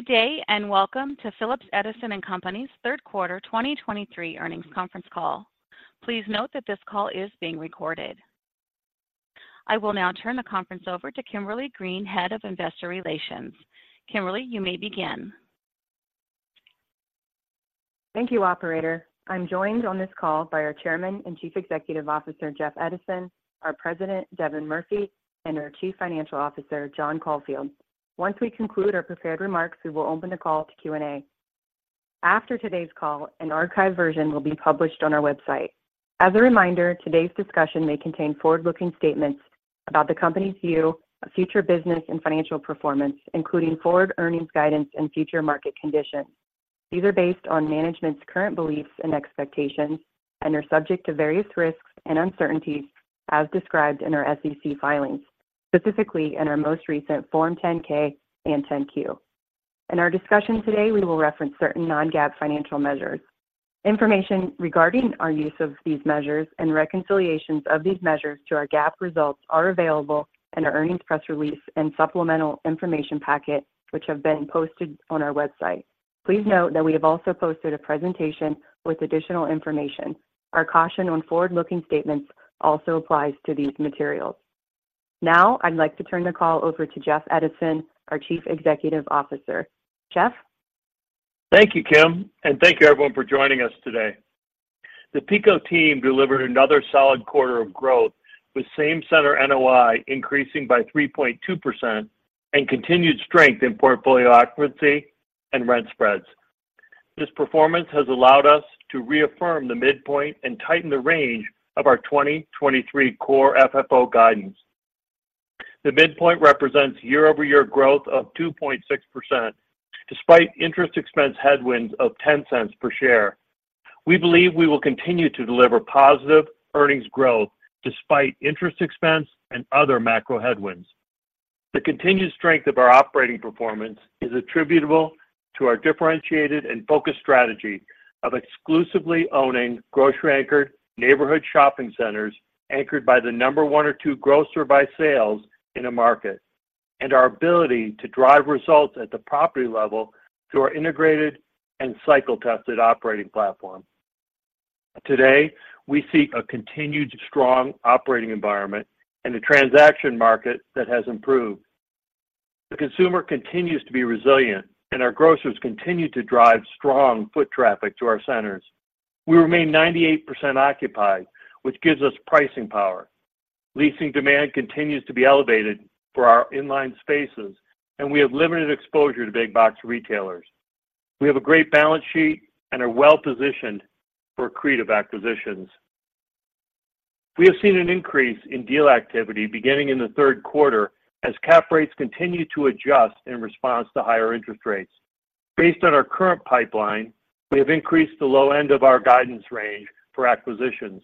Good day, and welcome to Phillips Edison & Company's Q3 2023 Earnings Conference Call. Please note that this call is being recorded. I will now turn the conference over to Kimberly Green, Head of Investor Relations. Kimberly, you may begin. Thank you, operator. I'm joined on this call by our Chairman and Chief Executive Officer, Jeff Edison, our President, Devin Murphy, and our Chief Financial Officer, John Caulfield. Once we conclude our prepared remarks, we will open the call to Q&A. After today's call, an archive version will be published on our website. As a reminder, today's discussion may contain forward-looking statements about the company's view of future business and financial performance, including forward earnings guidance and future market conditions. These are based on management's current beliefs and expectations and are subject to various risks and uncertainties as described in our SEC filings, specifically in our most recent Form 10-K and 10-Q. In our discussion today, we will reference certain non-GAAP financial measures. Information regarding our use of these measures and reconciliations of these measures to our GAAP results are available in our earnings press release and supplemental information packet, which have been posted on our website. Please note that we have also posted a presentation with additional information. Our caution on forward-looking statements also applies to these materials. Now, I'd like to turn the call over to Jeff Edison, our Chief Executive Officer. Jeff? Thank you, Kim, and thank you everyone for joining us today. The PECO team delivered another solid quarter of growth, with same-center NOI increasing by 3.2% and continued strength in portfolio occupancy and rent spreads. This performance has allowed us to reaffirm the midpoint and tighten the range of our 2023 Core FFO guidance. The midpoint represents year-over-year growth of 2.6%, despite interest expense headwinds of $0.10 per share. We believe we will continue to deliver positive earnings growth despite interest expense and other macro headwinds. The continued strength of our operating performance is attributable to our differentiated and focused strategy of exclusively owning grocery-anchored neighborhood shopping centers, anchored by the number one or two grocer by sales in a market, and our ability to drive results at the property level through our integrated and cycle-tested operating platform. Today, we seek a continued strong operating environment in a transaction market that has improved. The consumer continues to be resilient, and our grocers continue to drive strong foot traffic to our centers. We remain 98% occupied, which gives us pricing power. Leasing demand continues to be elevated for our inline spaces, and we have limited exposure to big box retailers. We have a great balance sheet and are well-positioned for accretive acquisitions. We have seen an increase in deal activity beginning in the Q3 as cap rates continue to adjust in response to higher interest rates. Based on our current pipeline, we have increased the low end of our guidance range for acquisitions.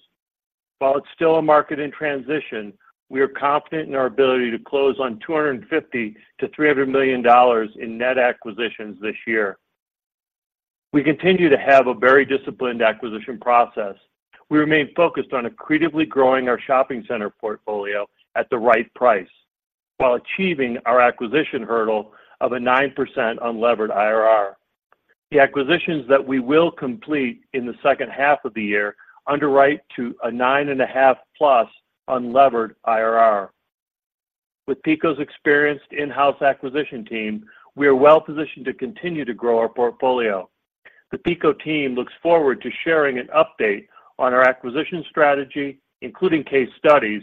While it's still a market in transition, we are confident in our ability to close on $250 million-$300 million in net acquisitions this year. We continue to have a very disciplined acquisition process. We remain focused on accretively growing our shopping center portfolio at the right price, while achieving our acquisition hurdle of a 9% unlevered IRR. The acquisitions that we will complete in the second half of the year underwrite to a 9.5+ unlevered IRR. With PECO's experienced in-house acquisition team, we are well positioned to continue to grow our portfolio. The PECO team looks forward to sharing an update on our acquisition strategy, including case studies,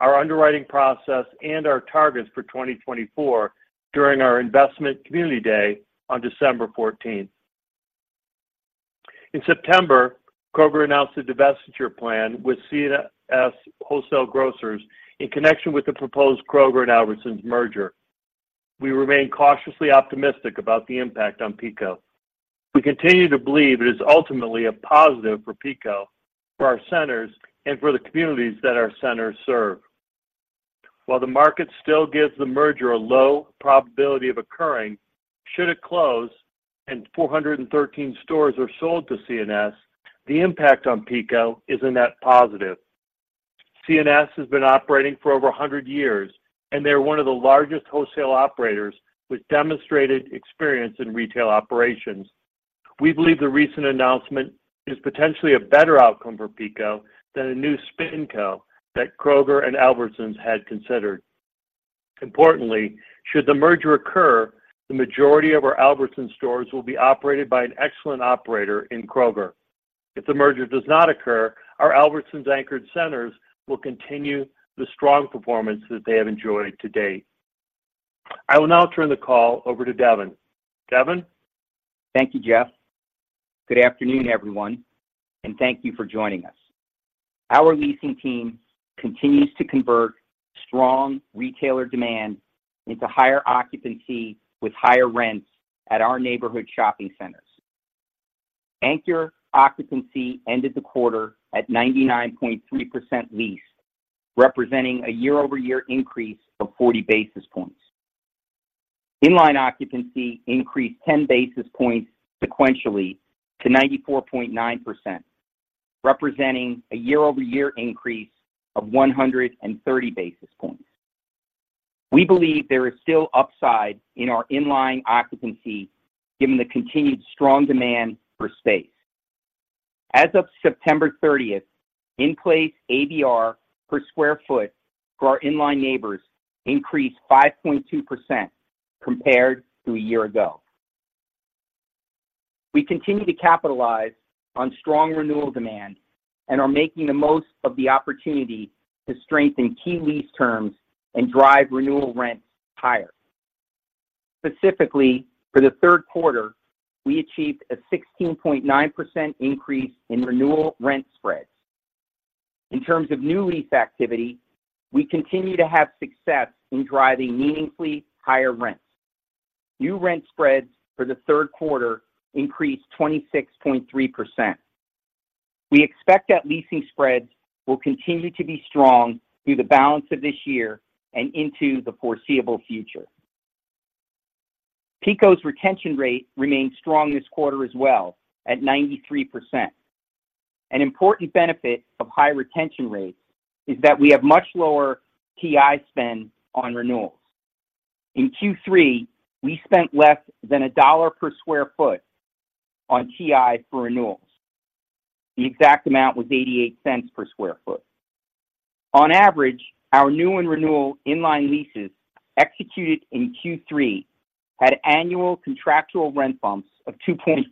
our underwriting process, and our targets for 2024 during our Investment Community Day on December fourteenth. In September, Kroger announced a divestiture plan with C&S Wholesale Grocers in connection with the proposed Kroger and Albertsons merger. We remain cautiously optimistic about the impact on PECO. We continue to believe it is ultimately a positive for PECO, for our centers, and for the communities that our centers serve. While the market still gives the merger a low probability of occurring, should it close and 413 stores are sold to C&S, the impact on PECO is a net positive. C&S has been operating for over 100 years, and they are one of the largest wholesale operators with demonstrated experience in retail operations. We believe the recent announcement is potentially a better outcome for PECO than a new SpinCo that Kroger and Albertsons had considered. Importantly, should the merger occur, the majority of our Albertsons stores will be operated by an excellent operator in Kroger. If the merger does not occur, our Albertsons-anchored centers will continue the strong performance that they have enjoyed to date. I will now turn the call over to Devin. Devin? Thank you, Jeff. Good afternoon, everyone, and thank you for joining us. Our leasing team continues to convert strong retailer demand into higher occupancy with higher rents at our neighborhood shopping centers. Anchor occupancy ended the quarter at 99.3% leased, representing a year-over-year increase of 40 basis points. Inline occupancy increased 10 basis points sequentially to 94.9%.... representing a year-over-year increase of 130 basis points. We believe there is still upside in our inline occupancy, given the continued strong demand for space. As of September thirtieth, in-place ABR per square foot for our inline neighbors increased 5.2% compared to a year ago. We continue to capitalize on strong renewal demand and are making the most of the opportunity to strengthen key lease terms and drive renewal rents higher. Specifically, for the third quarter, we achieved a 16.9% increase in renewal rent spreads. In terms of new lease activity, we continue to have success in driving meaningfully higher rents. New rent spreads for the third quarter increased 26.3%. We expect that leasing spreads will continue to be strong through the balance of this year and into the foreseeable future. PECO's retention rate remained strong this quarter as well at 93%. An important benefit of high retention rates is that we have much lower TI spend on renewals. In Q3, we spent less than $1 per square foot on TI for renewals. The exact amount was $0.88 per square foot. On average, our new and renewal inline leases executed in Q3 had annual contractual rent bumps of 2.5%,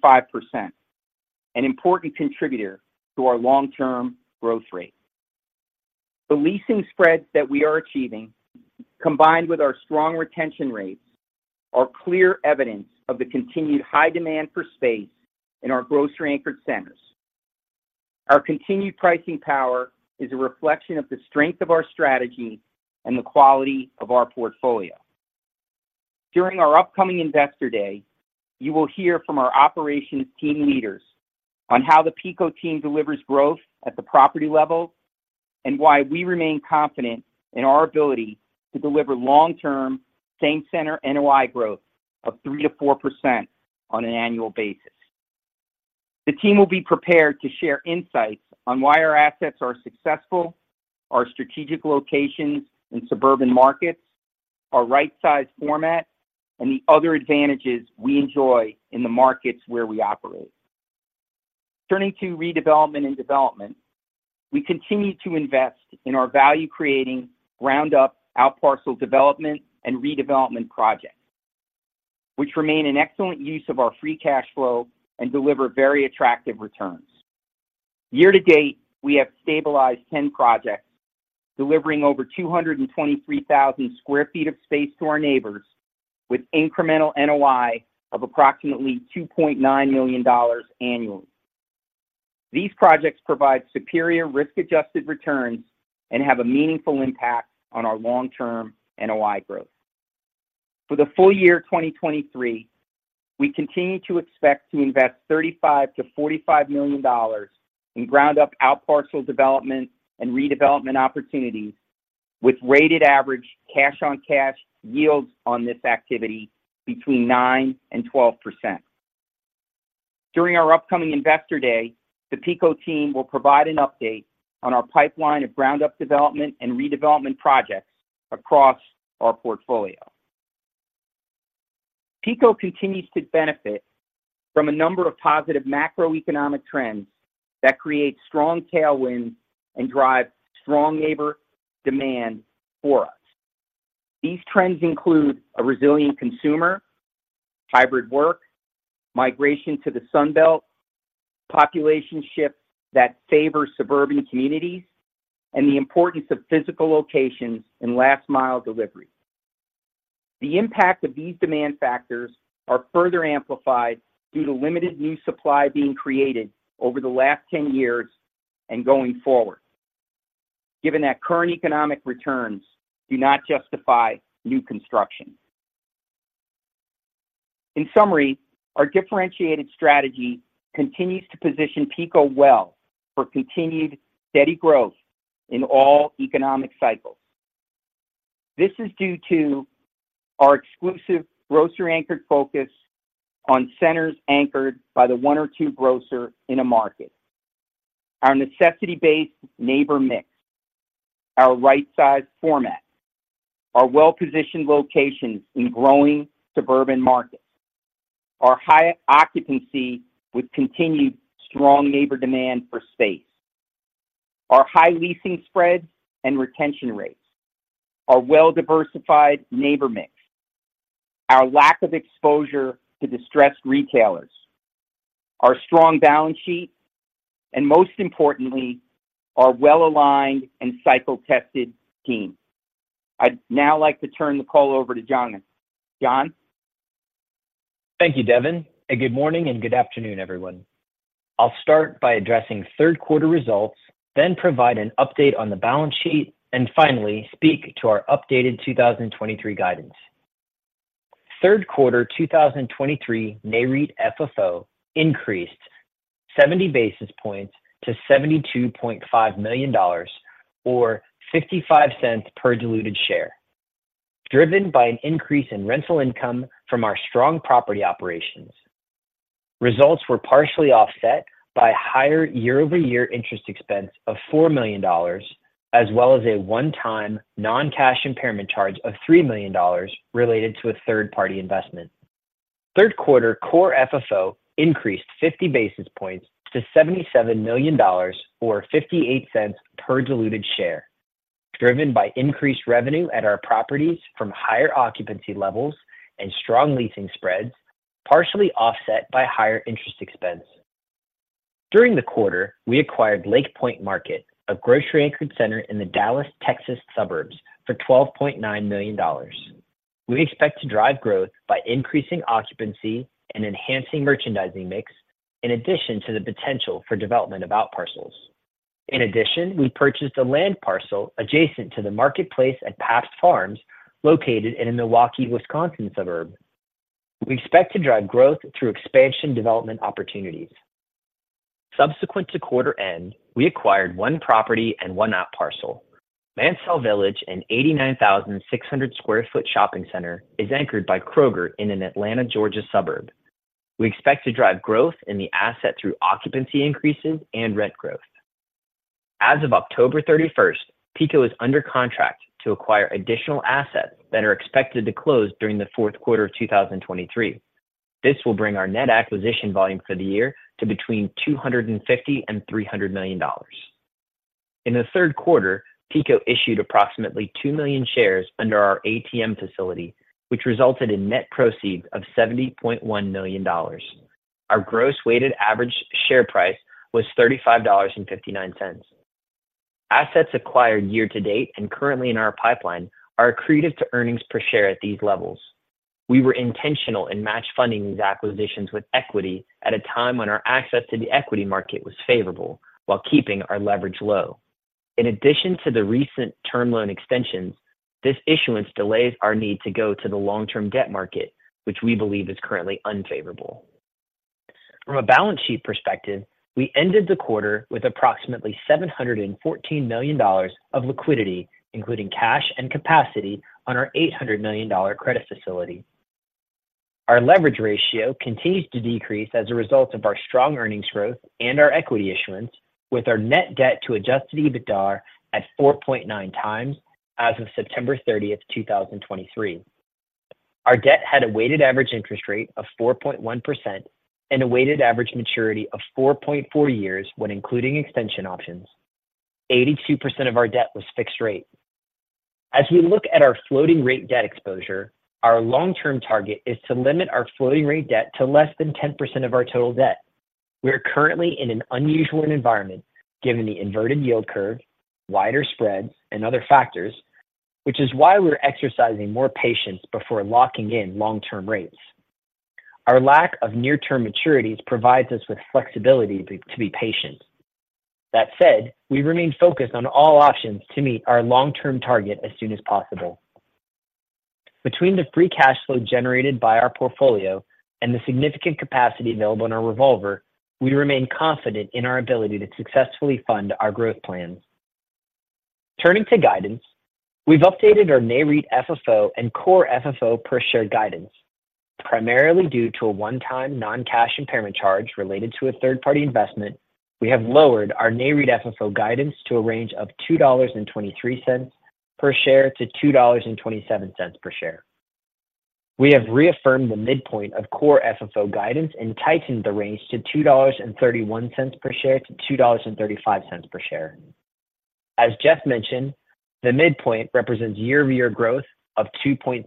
an important contributor to our long-term growth rate. The leasing spreads that we are achieving, combined with our strong retention rates, are clear evidence of the continued high demand for space in our grocery-anchored centers. Our continued pricing power is a reflection of the strength of our strategy and the quality of our portfolio. During our upcoming Investor Day, you will hear from our operations team leaders on how the PECO team delivers growth at the property level, and why we remain confident in our ability to deliver long-term same-center NOI growth of 3%-4% on an annual basis. The team will be prepared to share insights on why our assets are successful, our strategic locations in suburban markets, our right-size format, and the other advantages we enjoy in the markets where we operate. Turning to redevelopment and development, we continue to invest in our value-creating ground-up outparcel development and redevelopment projects, which remain an excellent use of our free cash flow and deliver very attractive returns. Year to date, we have stabilized 10 projects, delivering over 223,000 square foot of space to our neighbors, with incremental NOI of approximately $2.9 million annually. These projects provide superior risk-adjusted returns and have a meaningful impact on our long-term NOI growth. For the full year 2023, we continue to expect to invest $35 million-$45 million in ground-up outparcel development and redevelopment opportunities, with weighted average cash-on-cash yields on this activity between 9%-12%. During our upcoming Investor Day, the PECO team will provide an update on our pipeline of ground-up development and redevelopment projects across our portfolio. PECO continues to benefit from a number of positive macroeconomic trends that create strong tailwinds and drive strong labor demand for us. These trends include a resilient consumer, hybrid work, migration to the Sun Belt, population shift that favor suburban communities, and the importance of physical locations and last-mile delivery. The impact of these demand factors are further amplified due to limited new supply being created over the last 10 years and going forward, given that current economic returns do not justify new construction. In summary, our differentiated strategy continues to position PECO well for continued steady growth in all economic cycles. This is due to our exclusive grocery-anchored focus on centers anchored by the one or two grocer in a market, our necessity-based neighbor mix, our right-size format, our well-positioned locations in growing suburban markets, our high occupancy with continued strong neighbor demand for space, our high leasing spreads and retention rates, our well-diversified neighbor mix, our lack of exposure to distressed retailers, our strong balance sheet, and most importantly, our well-aligned and cycle-tested team. I'd now like to turn the call over to John. John? Thank you, Devin, and good morning and good afternoon, everyone. I'll start by addressing third quarter results, then provide an update on the balance sheet, and finally, speak to our updated 2023 guidance. Third quarter 2023 NAREIT FFO increased 70 basis points to $72.5 million or $0.55 per diluted share, driven by an increase in rental income from our strong property operations. Results were partially offset by higher year-over-year interest expense of $4 million, as well as a one-time non-cash impairment charge of $3 million related to a third-party investment. Third quarter core FFO increased 50 basis points to $77 million, or $0.58 per diluted share, driven by increased revenue at our properties from higher occupancy levels and strong leasing spreads, partially offset by higher interest expense. During the quarter, we acquired Lake Pointe Market, a grocery-anchored center in the Dallas, Texas, suburbs for $12.9 million. We expect to drive growth by increasing occupancy and enhancing merchandising mix, in addition to the potential for development of outparcels. In addition, we purchased a land parcel adjacent to the Marketplace at Pabst Farms, located in a Milwaukee, Wisconsin, suburb. We expect to drive growth through expansion development opportunities. Subsequent to quarter end, we acquired one property and one outparcel. Mansell Village, an 89,600 square foot shopping center, is anchored by Kroger in an Atlanta, Georgia, suburb. We expect to drive growth in the asset through occupancy increases and rent growth. As of October 31, PECO is under contract to acquire additional assets that are expected to close during the fourth quarter of 2023. This will bring our net acquisition volume for the year to between $250 million and $300 million. In the third quarter, PECO issued approximately 2 million shares under our ATM facility, which resulted in net proceeds of $70.1 million. Our gross weighted average share price was $35.59. Assets acquired year to date and currently in our pipeline are accretive to earnings per share at these levels. We were intentional in match funding these acquisitions with equity at a time when our access to the equity market was favorable, while keeping our leverage low. In addition to the recent term loan extensions, this issuance delays our need to go to the long-term debt market, which we believe is currently unfavorable. From a balance sheet perspective, we ended the quarter with approximately $714 million of liquidity, including cash and capacity on our $800 million credit facility. Our leverage ratio continues to decrease as a result of our strong earnings growth and our equity issuance, with our net debt to adjusted EBITDA at 4.9 times as of September 30, 2023. Our debt had a weighted average interest rate of 4.1% and a weighted average maturity of 4.4 years when including extension options. 82% of our debt was fixed rate. As we look at our floating rate debt exposure, our long-term target is to limit our floating rate debt to less than 10% of our total debt. We are currently in an unusual environment, given the inverted yield curve, wider spreads, and other factors, which is why we're exercising more patience before locking in long-term rates. Our lack of near-term maturities provides us with flexibility to be patient. That said, we remain focused on all options to meet our long-term target as soon as possible. Between the free cash flow generated by our portfolio and the significant capacity available in our revolver, we remain confident in our ability to successfully fund our growth plans. Turning to guidance, we've updated our NAREIT FFO and core FFO per share guidance. Primarily due to a one-time non-cash impairment charge related to a third-party investment, we have lowered our NAREIT FFO guidance to a range of $2.23 per share-$2.27 per share. We have reaffirmed the midpoint of core FFO guidance and tightened the range to $2.31-$2.35 per share. As Jeff mentioned, the midpoint represents year-over-year growth of 2.6%,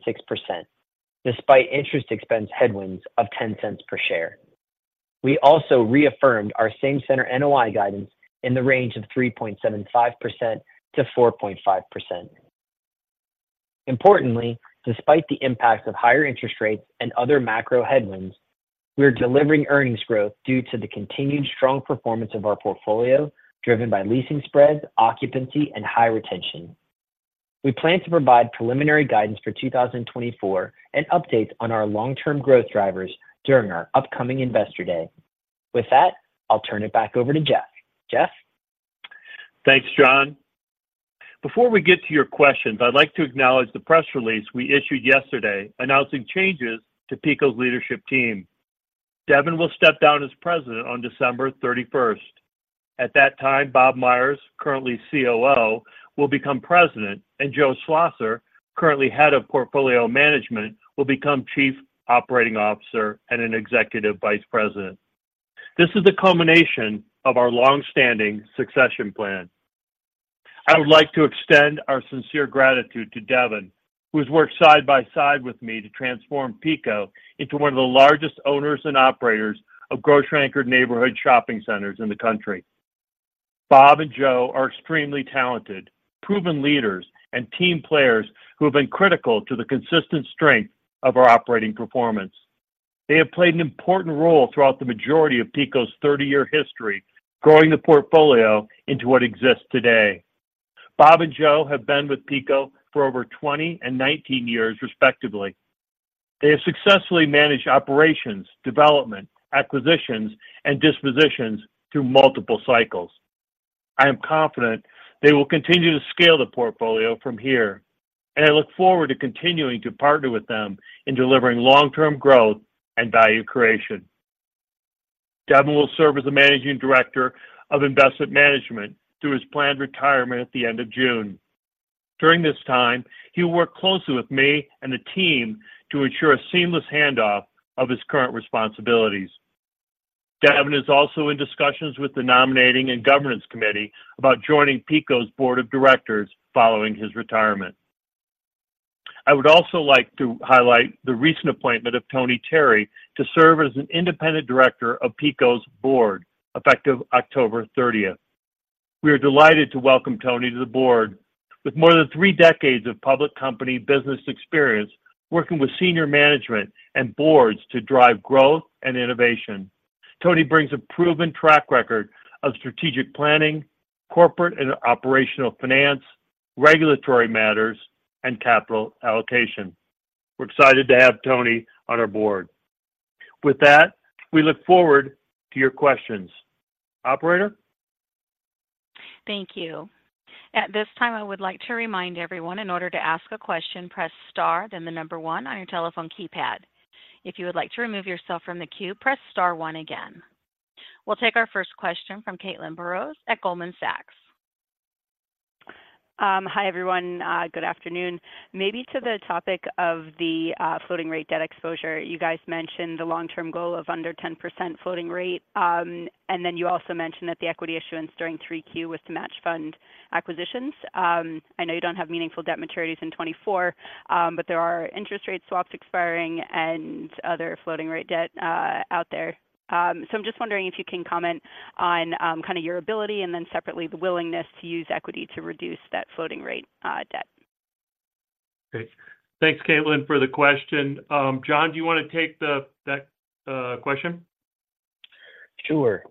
despite interest expense headwinds of $0.10 per share. We also reaffirmed our same center NOI guidance in the range of 3.75%-4.5%. Importantly, despite the impacts of higher interest rates and other macro headwinds, we are delivering earnings growth due to the continued strong performance of our portfolio, driven by leasing spreads, occupancy, and high retention. We plan to provide preliminary guidance for 2024 and updates on our long-term growth drivers during our upcoming Investor Day. With that, I'll turn it back over to Jeff. Jeff? Thanks, John. Before we get to your questions, I'd like to acknowledge the press release we issued yesterday announcing changes to PECO's leadership team. Devin will step down as president on December 31. At that time, Bob Myers, currently COO, will become president, and Joe Schlosser, currently Head of Portfolio Management, will become Chief Operating Officer and an Executive Vice President. This is the culmination of our long-standing succession plan. I would like to extend our sincere gratitude to Devin, who has worked side by side with me to transform PECO into one of the largest owners and operators of grocery-anchored neighborhood shopping centers in the country. Bob and Joe are extremely talented, proven leaders, and team players who have been critical to the consistent strength of our operating performance. They have played an important role throughout the majority of PECO's 30-year history, growing the portfolio into what exists today. Bob and Joe have been with PECO for over 20 and 19 years, respectively. They have successfully managed operations, development, acquisitions, and dispositions through multiple cycles.... I am confident they will continue to scale the portfolio from here, and I look forward to continuing to partner with them in delivering long-term growth and value creation. Devin will serve as the Managing Director of Investment Management through his planned retirement at the end of June. During this time, he will work closely with me and the team to ensure a seamless handoff of his current responsibilities. Devin is also in discussions with the Nominating and Governance Committee about joining PECO's Board of Directors following his retirement. I would also like to highlight the recent appointment of Tony Terry to serve as an independent director of PECO's board, effective October thirtieth. We are delighted to welcome Tony to the board. With more than three decades of public company business experience, working with senior management and boards to drive growth and innovation, Tony brings a proven track record of strategic planning, corporate and operational finance, regulatory matters, and capital allocation. We're excited to have Tony on our board. With that, we look forward to your questions. Operator? Thank you. At this time, I would like to remind everyone, in order to ask a question, press star, then the number 1 on your telephone keypad. If you would like to remove yourself from the queue, press star 1 again. We'll take our first question from Caitlin Burrows at Goldman Sachs. Hi, everyone. Good afternoon. Maybe to the topic of the floating rate debt exposure. You guys mentioned the long-term goal of under 10% floating rate, and then you also mentioned that the equity issuance during 3Q was to match fund acquisitions. I know you don't have meaningful debt maturities in 2024, but there are interest rate swaps expiring and other floating rate debt out there. So I'm just wondering if you can comment on kind of your ability and then separately, the willingness to use equity to reduce that floating rate debt. Great. Thanks, Caitlin, for the question. John, do you want to take that question? Sure.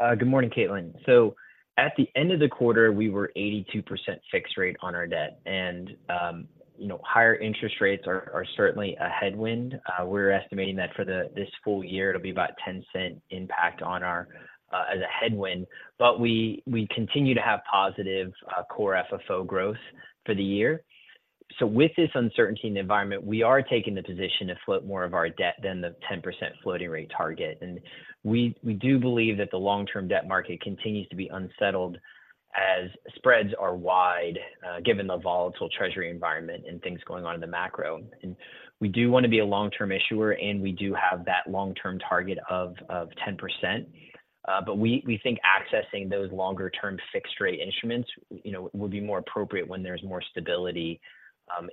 Good morning, Caitlin. So at the end of the quarter, we were 82% fixed rate on our debt, and you know, higher interest rates are certainly a headwind. We're estimating that for this full year, it'll be about $0.10 impact on our as a headwind, but we continue to have positive Core FFO growth for the year. So with this uncertainty in the environment, we are taking the position to float more of our debt than the 10% floating rate target. And we do believe that the long-term debt market continues to be unsettled as spreads are wide, given the volatile treasury environment and things going on in the macro. And we do want to be a long-term issuer, and we do have that long-term target of 10%. But we, we think accessing those longer-term fixed rate instruments, you know, will be more appropriate when there's more stability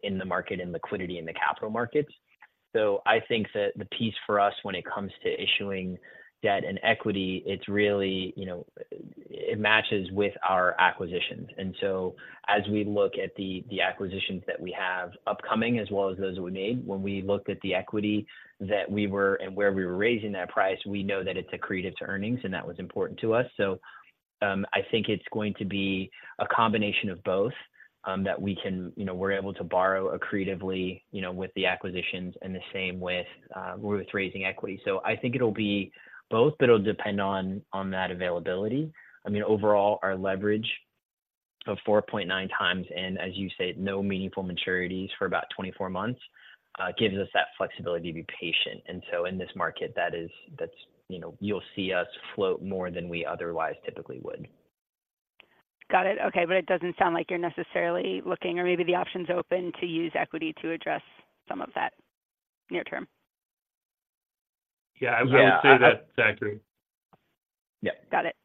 in the market and liquidity in the capital markets. So I think that the piece for us when it comes to issuing debt and equity, it's really, you know, it matches with our acquisitions. And so as we look at the, the acquisitions that we have upcoming, as well as those we made, when we looked at the equity that we were-- and where we were raising that price, we know that it's accretive to earnings, and that was important to us. So I think it's going to be a combination of both that we can-- you know, we're able to borrow accretively, you know, with the acquisitions and the same with, with raising equity. So I think it'll be both, but it'll depend on that availability. I mean, overall, our leverage of 4.9 times, and as you say, no meaningful maturities for about 24 months, gives us that flexibility to be patient. And so in this market, that is, that's, you know... You'll see us float more than we otherwise typically would. Got it. Okay, but it doesn't sound like you're necessarily looking or maybe the option's open to use equity to address some of that near term. Yeah, I would say that, exactly. Yeah. Got it.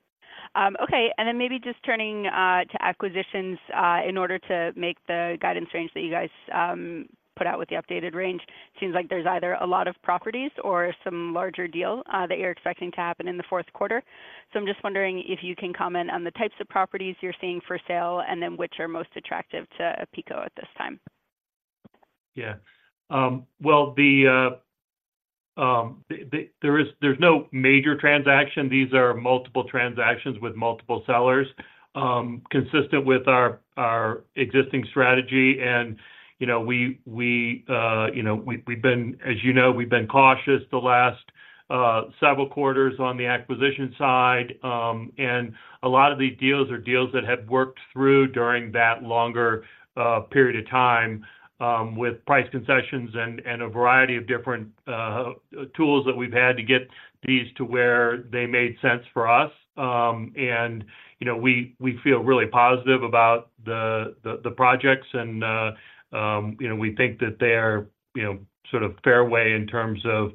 Okay, and then maybe just turning to acquisitions in order to make the guidance range that you guys put out with the updated range. Seems like there's either a lot of properties or some larger deal that you're expecting to happen in the fourth quarter. So I'm just wondering if you can comment on the types of properties you're seeing for sale, and then which are most attractive to PECO at this time. Yeah. Well, there's no major transaction. These are multiple transactions with multiple sellers, consistent with our existing strategy. And, you know, we've been, as you know, cautious the last several quarters on the acquisition side. And a lot of these deals that have worked through during that longer period of time, with price concessions and a variety of different tools that we've had to get these to where they made sense for us. And, you know, we feel really positive about the projects and, you know, we think that they are, you know, sort of fairway in terms of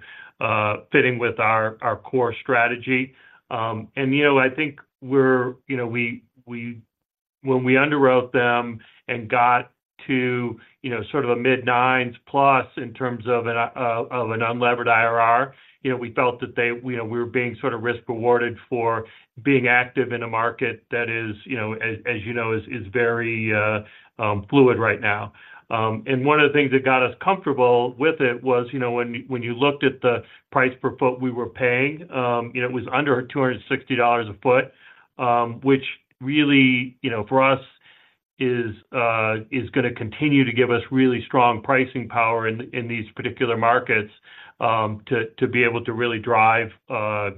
fitting with our core strategy. You know, I think we're, you know, when we underwrote them and got to, you know, sort of a mid-nines plus in terms of an unlevered IRR, you know, we felt that they, you know, we were being sort of risk rewarded for being active in a market that is, you know, as you know, is very fluid right now. One of the things that got us comfortable with it was, you know, when you looked at the price per foot we were paying, you know, it was under $260 a foot, which really, you know, for us-... is going to continue to give us really strong pricing power in these particular markets to be able to really drive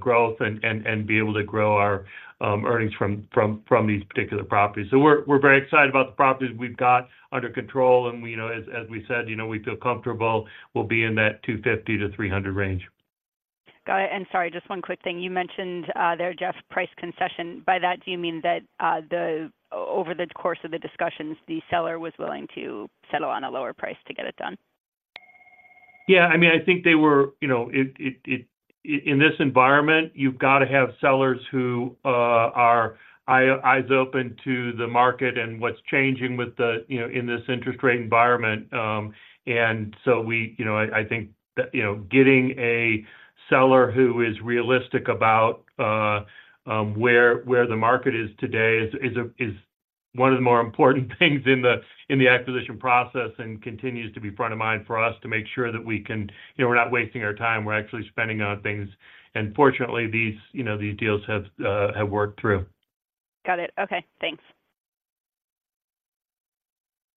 growth and be able to grow our earnings from these particular properties. So we're very excited about the properties we've got under control. And we know, as we said, you know, we feel comfortable we'll be in that 250-300 range. Got it. And sorry, just one quick thing. You mentioned there, Jeff, price concession. By that, do you mean that over the course of the discussions, the seller was willing to settle on a lower price to get it done? Yeah, I mean, I think they were, you know, in this environment, you've got to have sellers who are eyes open to the market and what's changing with the, you know, in this interest rate environment. And so we, you know, I think that, you know, getting a seller who is realistic about where the market is today is one of the more important things in the acquisition process, and continues to be front of mind for us to make sure that we can, you know, we're not wasting our time, we're actually spending on things. And fortunately, these, you know, these deals have worked through. Got it. Okay, thanks.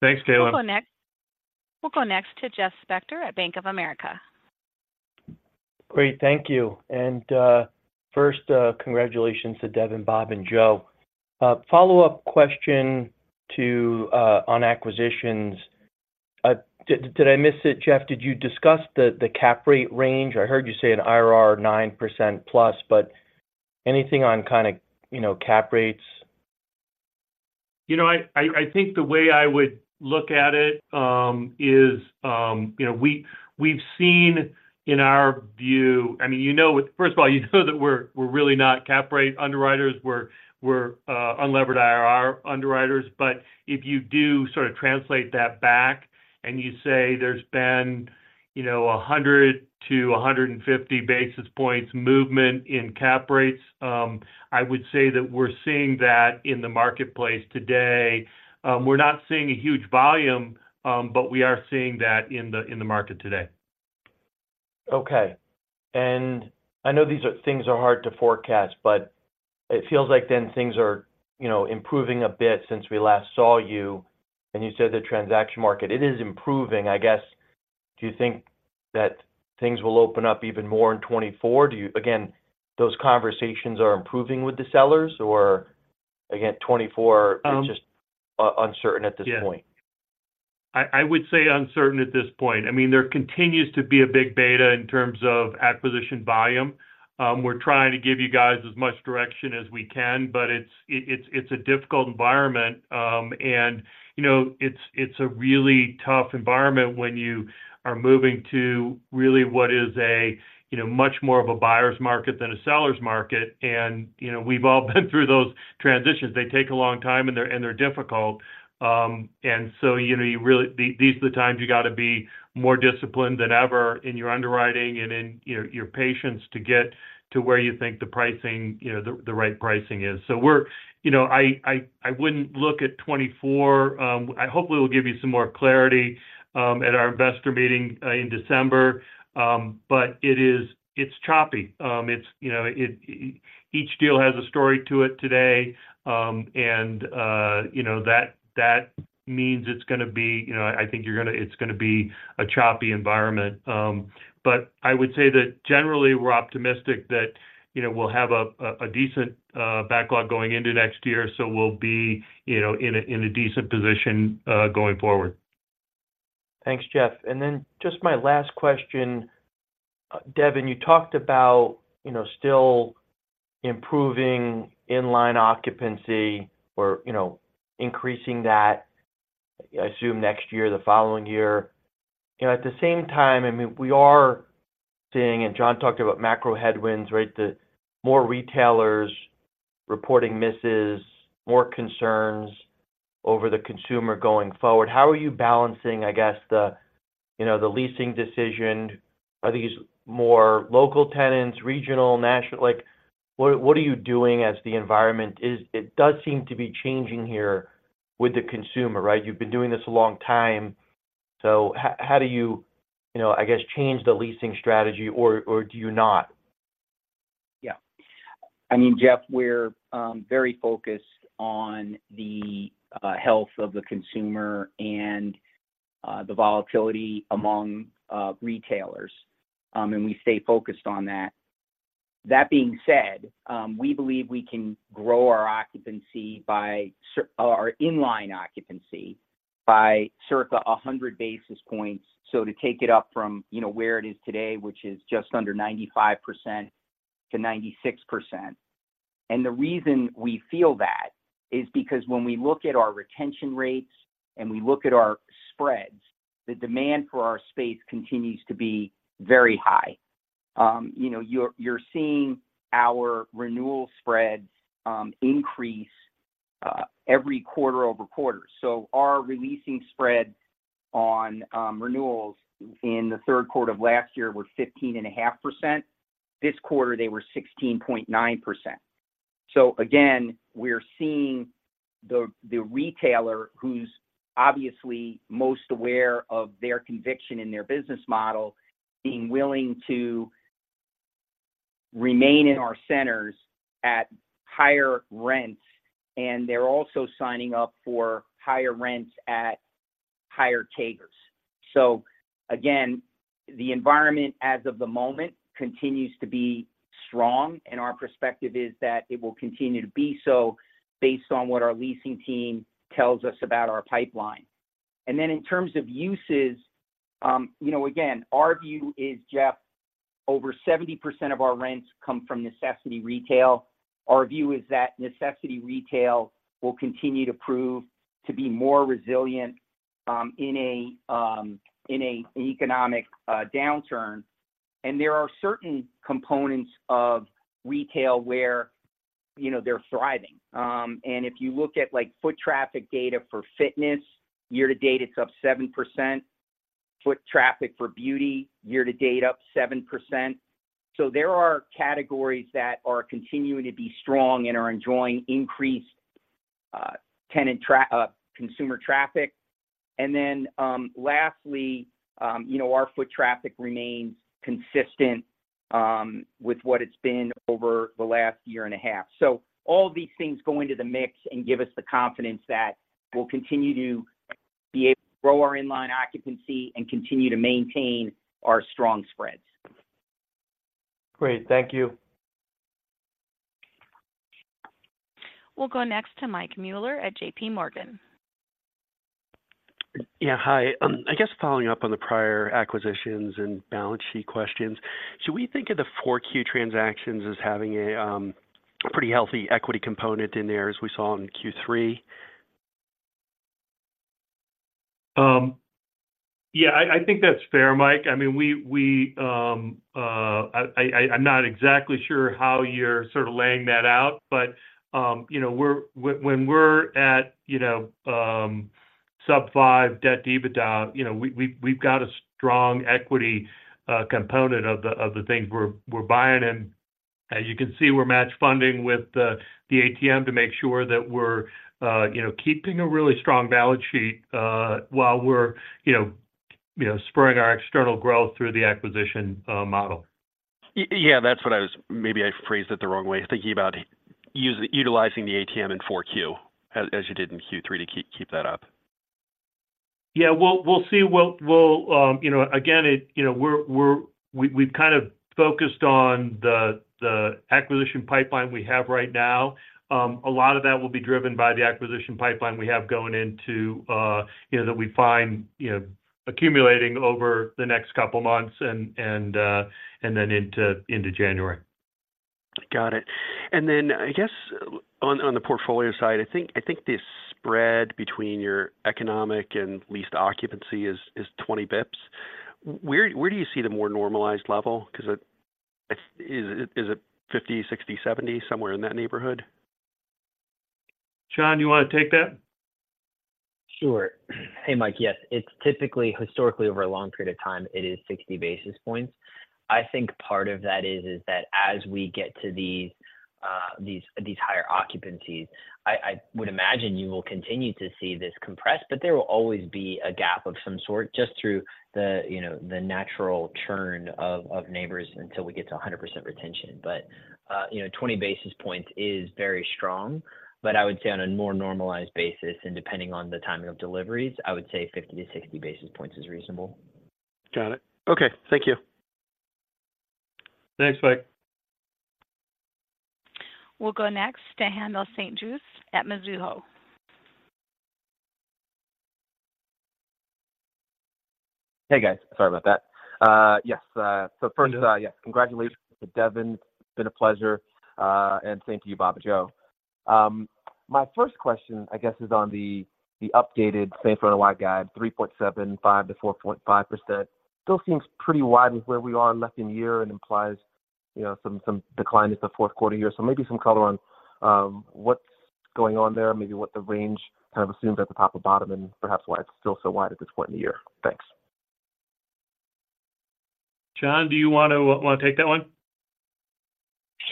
Thanks, Caitlin. We'll go next to Jeff Spector at Bank of America. Great, thank you. First, congratulations to Devin, Bob, and Joe. Follow-up question on acquisitions. Did I miss it, Jeff? Did you discuss the cap rate range? I heard you say an IRR 9%+, but anything on kind of, you know, cap rates? You know, I think the way I would look at it is, you know, we've seen in our view, I mean, you know, with first of all, you know that we're unlevered IRR underwriters. But if you do sort of translate that back, and you say there's been, you know, 100-150 basis points movement in cap rates, I would say that we're seeing that in the marketplace today. We're not seeing a huge volume, but we are seeing that in the market today. Okay. And I know these are things are hard to forecast, but it feels like then things are, you know, improving a bit since we last saw you, and you said the transaction market, it is improving. I guess, do you think that things will open up even more in 2024? Do you— again, those conversations are improving with the sellers, or again, 2024- Um- It's just, uncertain at this point? Yeah. I would say uncertain at this point. I mean, there continues to be a big beta in terms of acquisition volume. We're trying to give you guys as much direction as we can, but it's a difficult environment, and, you know, it's a really tough environment when you are moving to really what is a, you know, much more of a buyer's market than a seller's market. And, you know, we've all been through those transitions. They take a long time, and they're difficult. And so, you know, you really—these are the times you got to be more disciplined than ever in your underwriting and in, you know, your patience to get to where you think the pricing, you know, the, the right pricing is. So we're—you know, I wouldn't look at 2024. I hopefully will give you some more clarity at our investor meeting in December. But it is, it's choppy. It's, you know, each deal has a story to it today. And you know that means it's gonna be, you know, I think it's gonna be a choppy environment. But I would say that generally, we're optimistic that, you know, we'll have a decent backlog going into next year, so we'll be, you know, in a decent position going forward. Thanks, Jeff. And then just my last question. Devin, you talked about, you know, still improving in-line occupancy or, you know, increasing that, I assume, next year or the following year. You know, at the same time, I mean, we are seeing, and John talked about macro headwinds, right? The more retailers reporting misses, more concerns over the consumer going forward. How are you balancing, I guess, the, you know, the leasing decision? Are these more local tenants, regional, national? Like, what, what are you doing as the environment is- it does seem to be changing here with the consumer, right? You've been doing this a long time, so how, how do you, you know, I guess, change the leasing strategy or, or do you not? Yeah. I mean, Jeff, we're very focused on the health of the consumer and the volatility among retailers, and we stay focused on that. That being said, we believe we can grow our occupancy by our in-line occupancy by circa 100 basis points. So to take it up from, you know, where it is today, which is just under 95% to 96%. And the reason we feel that is because when we look at our retention rates and we look at our spreads, the demand for our space continues to be very high. You know, you're seeing our renewal spreads increase every quarter-over-quarter. So our releasing spread on renewals in the third quarter of last year were 15.5%. This quarter, they were 16.9%. So again, we're seeing the retailer, who's obviously most aware of their conviction in their business model, being willing to remain in our centers at higher rents, and they're also signing up for higher rents at higher takers. So again, the environment as of the moment continues to be strong, and our perspective is that it will continue to be so based on what our leasing team tells us about our pipeline. And then in terms of uses, you know, again, our view is, Jeff, over 70% of our rents come from necessity retail. Our view is that necessity retail will continue to prove to be more resilient, in a economic downturn. And there are certain components of retail where, you know, they're thriving. And if you look at, like, foot traffic data for fitness, year to date, it's up 7%. Foot traffic for beauty, year to date, up 7%. So there are categories that are continuing to be strong and are enjoying increased consumer traffic. And then, lastly, you know, our foot traffic remains consistent with what it's been over the last year and a half. So all these things go into the mix and give us the confidence that we'll continue to be able to grow our in-line occupancy and continue to maintain our strong spreads. Great. Thank you. We'll go next to Mike Mueller at JP Morgan. Yeah, hi. I guess following up on the prior acquisitions and balance sheet questions, should we think of the 4Q transactions as having a pretty healthy equity component in there, as we saw in Q3? Yeah, I think that's fair, Mike. I mean, I'm not exactly sure how you're sort of laying that out, but, you know, we're at, you know, sub-5 debt EBITDA, you know, we've got a strong equity component of the things we're buying in. As you can see, we're match funding with the ATM to make sure that we're, you know, keeping a really strong balance sheet, while we're, you know, spreading our external growth through the acquisition model. Yeah, that's what I was. Maybe I phrased it the wrong way, thinking about us utilizing the ATM in 4Q, as you did in Q3 to keep that up. Yeah, we'll see. We'll, you know, again, it, you know, we're kind of focused on the acquisition pipeline we have right now. A lot of that will be driven by the acquisition pipeline we have going into, you know, that we find, you know, accumulating over the next couple of months and then into January. Got it. And then, I guess, on the portfolio side, I think this spread between your economic and leased occupancy is 20 basis points. Where do you see the more normalized level? Because, is it 50, 60, 70, somewhere in that neighborhood? John, you want to take that? Sure. Hey, Mike. Yes, it's typically, historically over a long period of time, it is 60 basis points. I think part of that is, is that as we get to these, these, these higher occupancies, I, I would imagine you will continue to see this compressed, but there will always be a gap of some sort just through the, you know, the natural churn of, of neighbors until we get to 100% retention. But, you know, 20 basis points is very strong, but I would say on a more normalized basis, and depending on the timing of deliveries, I would say 50-60 basis points is reasonable. Got it. Okay, thank you. Thanks, Mike. We'll go next to Haendel St. Juste at Mizuho. Hey, guys. Sorry about that. Congratulations to Devin. It's been a pleasure, and thank you, Bob and Joe. My first question, I guess, is on the updated same-center NOI guide, 3.75%-4.5%. Still seems pretty wide with where we are in less than a year and implies, you know, some decline in the fourth quarter year. So maybe some color on what's going on there, maybe what the range kind of assumes at the top or bottom, and perhaps why it's still so wide at this point in the year. Thanks. John, do you want to take that one?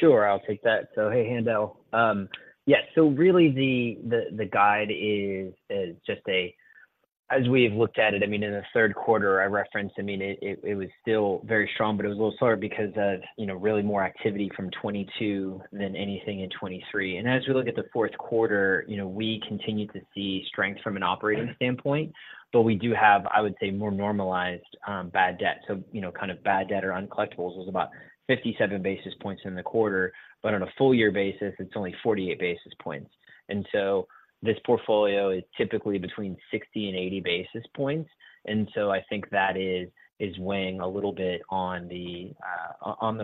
Sure, I'll take that. So, hey, Haendel. Yes, so really the guide is just as we've looked at it. I mean, in the third quarter, I referenced. I mean, it was still very strong, but it was a little slower because of, you know, really more activity from 2022 than anything in 2023. And as we look at the fourth quarter, you know, we continue to see strength from an operating standpoint, but we do have, I would say, more normalized bad debt. So, you know, kind of bad debt or uncollectibles was about 57 basis points in the quarter, but on a full year basis, it's only 48 basis points. And so this portfolio is typically between 60 and 80 basis points. And so I think that is weighing a little bit on the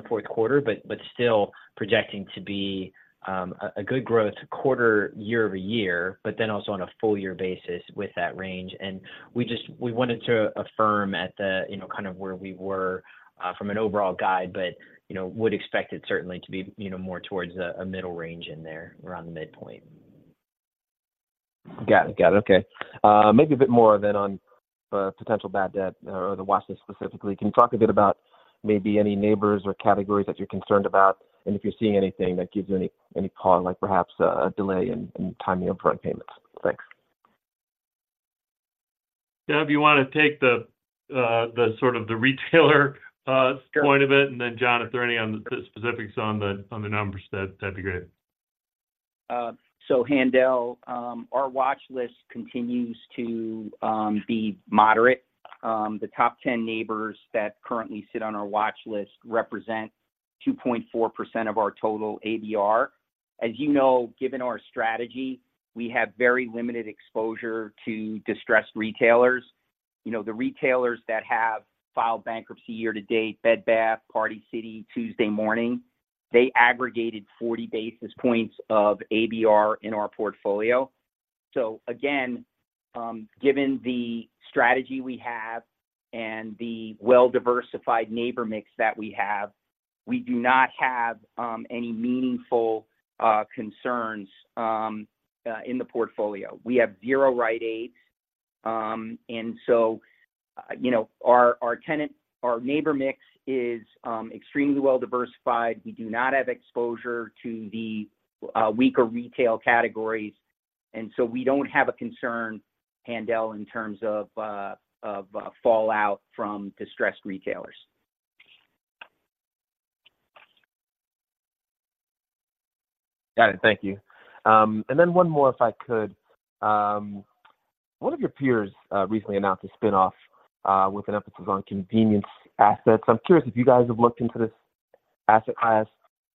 fourth quarter, but still projecting to be a good growth quarter year over year, but then also on a full year basis with that range. And we just wanted to affirm at the, you know, kind of where we were from an overall guide, but, you know, would expect it certainly to be, you know, more towards a middle range in there around the midpoint. Got it. Got it. Okay. Maybe a bit more of it on potential bad debt or the losses specifically. Can you talk a bit about maybe any neighbors or categories that you're concerned about, and if you're seeing anything that gives you any pause, like perhaps a delay in timing of rent payments? Thanks. Dev, if you want to take the, the sort of the retailer, point of it, and then, John, if there are any on the, the specifics on the, on the numbers, that, that'd be great. So Haendel, our watch list continues to be moderate. The top 10 neighbors that currently sit on our watch list represent 2.4% of our total ABR. As you know, given our strategy, we have very limited exposure to distressed retailers. You know, the retailers that have filed bankruptcy year to date, Bed Bath, Party City, Tuesday Morning, they aggregated 40 basis points of ABR in our portfolio. So again, given the strategy we have and the well-diversified neighbor mix that we have, we do not have any meaningful concerns in the portfolio. We have zero Rite Aids. And so, you know, our tenant- our neighbor mix is extremely well-diversified. We do not have exposure to the weaker retail categories, and so we don't have a concern, Haendel, in terms of fallout from distressed retailers. Got it. Thank you. And then one more, if I could. One of your peers recently announced a spin-off with an emphasis on convenience assets. I'm curious if you guys have looked into this asset class.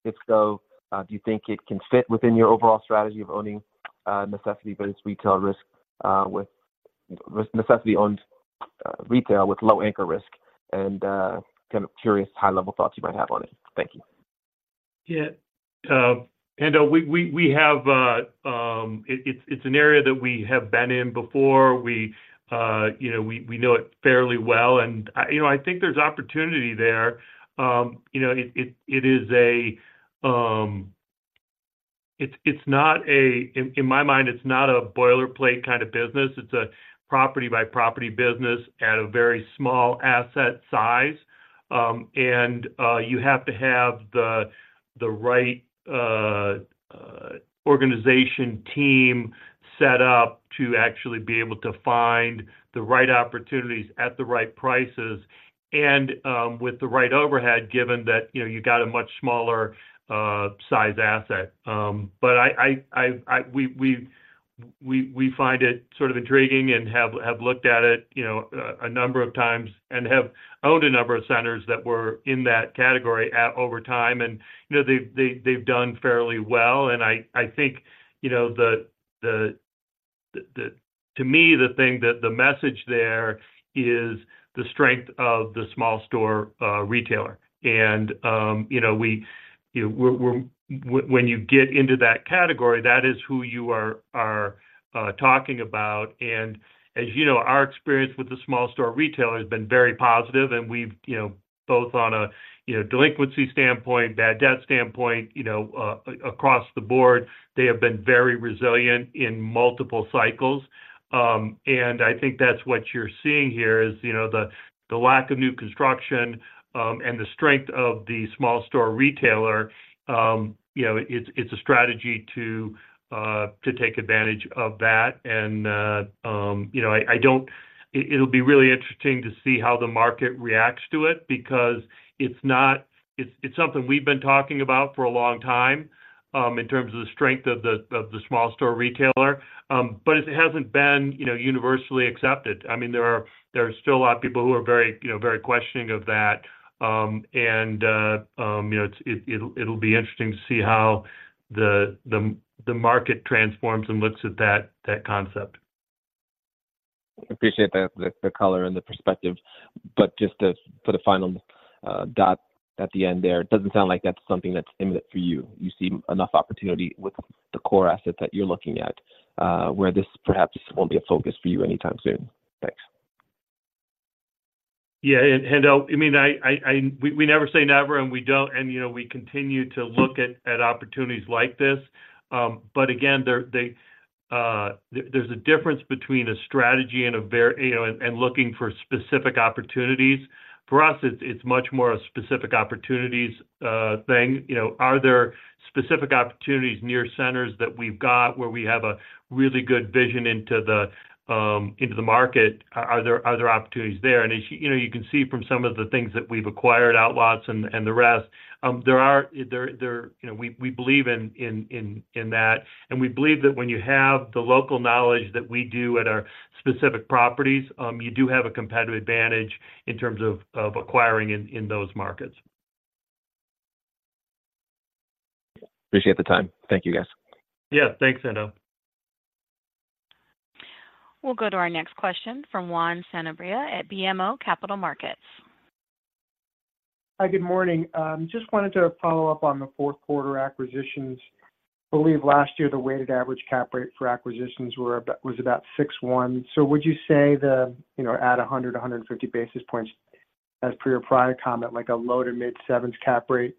If so, do you think it can fit within your overall strategy of owning necessity-based retail risk with necessity-owned retail with low anchor risk? And kind of curious high-level thoughts you might have on it. Thank you. Yeah. And we have it. It's an area that we have been in before. We, you know, we know it fairly well, and, you know, I think there's opportunity there. You know, it is a. It's not a—in my mind, it's not a boilerplate kind of business. It's a property-by-property business at a very small asset size. And you have to have the right organization team set up to actually be able to find the right opportunities at the right prices and, with the right overhead, given that, you know, you got a much smaller size asset. But we find it sort of intriguing and have looked at it, you know, a number of times and have owned a number of centers that were in that category over time, and, you know, they've done fairly well. And I think, you know, to me, the thing that the message there is the strength of the small store retailer. And, you know, we, you know, when you get into that category, that is who you are talking about. And as you know, our experience with the small store retailer has been very positive, and we've, you know, both on a, you know, delinquency standpoint, bad debt standpoint, you know, across the board, they have been very resilient in multiple cycles. I think that's what you're seeing here is, you know, the lack of new construction and the strength of the small store retailer. You know, it's a strategy to take advantage of that. And you know, it'll be really interesting to see how the market reacts to it because it's not, it's something we've been talking about for a long time in terms of the strength of the small store retailer, but it hasn't been, you know, universally accepted. I mean, there are still a lot of people who are very, you know, very questioning of that. And you know, it'll be interesting to see how the market transforms and looks at that concept. Appreciate the color and the perspective. But just to put a final dot at the end there, it doesn't sound like that's something that's imminent for you. You see enough opportunity with the core assets that you're looking at, where this perhaps won't be a focus for you anytime soon. Thanks. Yeah, and, Haendel, I mean, we never say never, and we don't... And, you know, we continue to look at opportunities like this. But again, there's a difference between a strategy and a very, you know, and looking for specific opportunities. For us, it's much more a specific opportunities thing. You know, are there specific opportunities near centers that we've got where we have a really good vision into the market? Are there opportunities there? As you know, you can see from some of the things that we've acquired, outlots and the rest. You know, we believe in that, and we believe that when you have the local knowledge that we do at our specific properties, you do have a competitive advantage in terms of acquiring in those markets. Appreciate the time. Thank you, guys. Yeah, thanks, Haendel. We'll go to our next question from Juan Sanabria at BMO Capital Markets. Hi, good morning. Just wanted to follow up on the fourth quarter acquisitions. I believe last year, the weighted average cap rate for acquisitions were about—was about 6.1. So would you say the, you know, at a 100, a 100 and 150 basis points, as per your prior comment, like a low- to mid-7s cap rate,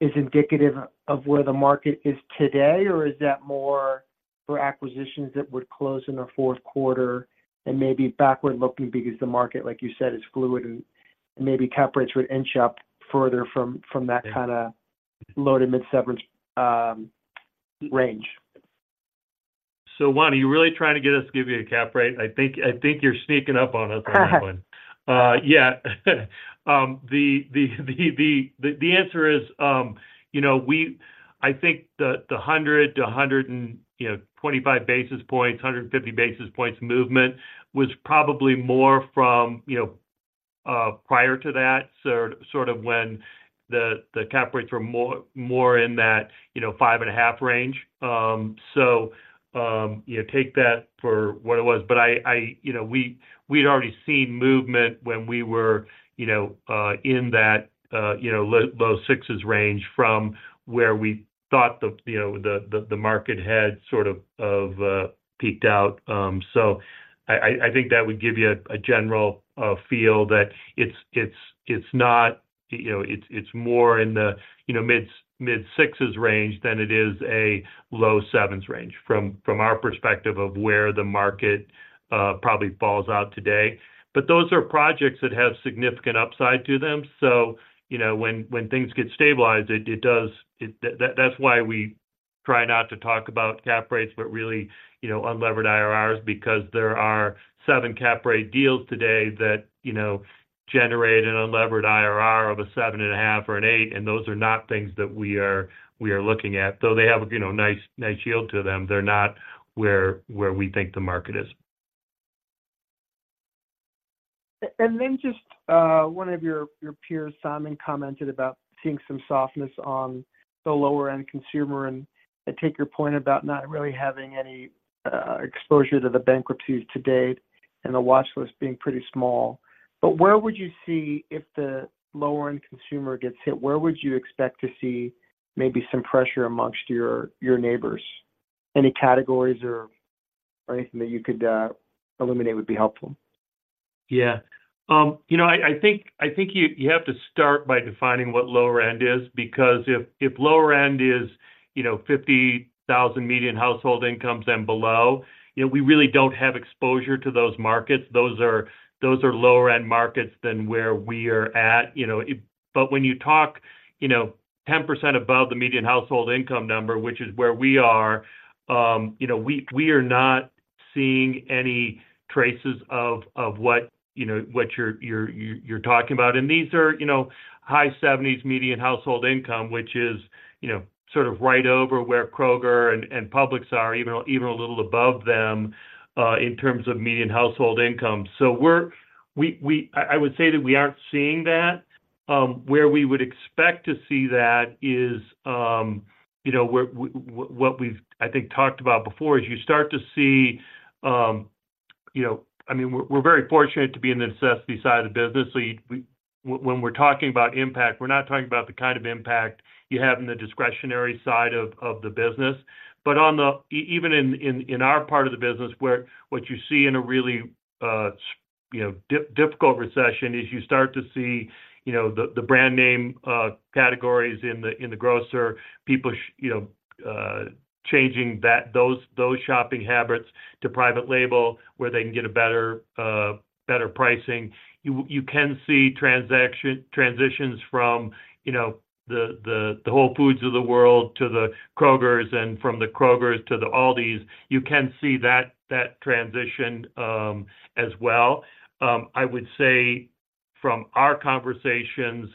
is indicative of where the market is today? Or is that more for acquisitions that would close in the fourth quarter and maybe backward-looking because the market, like you said, is fluid and, and maybe cap rates would inch up further from, from that kind of low- to mid-7s, range. So Juan, are you really trying to get us to give you a cap rate? I think, I think you're sneaking up on us on that one. Yeah, the answer is, you know, I think the 100-125 basis points, 150 basis points movement was probably more from, you know, prior to that, sort of when the cap rates were more in that, you know, 5.5 range. So, you know, take that for what it was. But I, you know, we, we'd already seen movement when we were, you know, in that, you know, low 6s range from where we thought the, you know, the market had sort of peaked out. So I think that would give you a general feel that it's not, you know, it's more in the, you know, mid-6s range than it is a low-7s range, from our perspective of where the market probably falls out today. But those are projects that have significant upside to them. So, you know, when things get stabilized, it does. That's why we try not to talk about Cap Rates, but really, you know, unlevered IRRs, because there are 7 Cap Rate deals today that, you know, generate an unlevered IRR of a 7.5 or an 8, and those are not things that we are looking at. Though they have, you know, nice yield to them, they're not where we think the market is. And then just, one of your, your peers, Simon, commented about seeing some softness on the lower-end consumer, and I take your point about not really having any, exposure to the bankruptcy to date, and the watchlist being pretty small. But where would you see if the lower-end consumer gets hit, where would you expect to see maybe some pressure amongst your, your neighbors? Any categories or, or anything that you could, illuminate would be helpful. Yeah. You know, I think you have to start by defining what lower end is, because if lower end is, you know, 50,000 median household incomes and below, you know, we really don't have exposure to those markets. Those are lower end markets than where we are at, you know. But when you talk, you know, 10% above the median household income number, which is where we are, you know, we are not seeing any traces of what you're talking about. And these are, you know, high 70s median household income, which is, you know, sort of right over where Kroger and Publix are, even a little above them in terms of median household income. So we would say that we aren't seeing that. Where we would expect to see that is, you know, where what we've, I think, talked about before, is you start to see. You know, I mean, we're, we're very fortunate to be in the necessity side of the business. So we, when we're talking about impact, we're not talking about the kind of impact you have in the discretionary side of the business. But on the even in our part of the business, where what you see in a really, you know, difficult recession, is you start to see, you know, the brand name categories in the grocer. People, you know, changing those shopping habits to private label, where they can get a better pricing. You can see transitions from, you know, the Whole Foods of the world to the Krogers, and from the Krogers to the Aldis. You can see that transition as well. I would say from our conversations,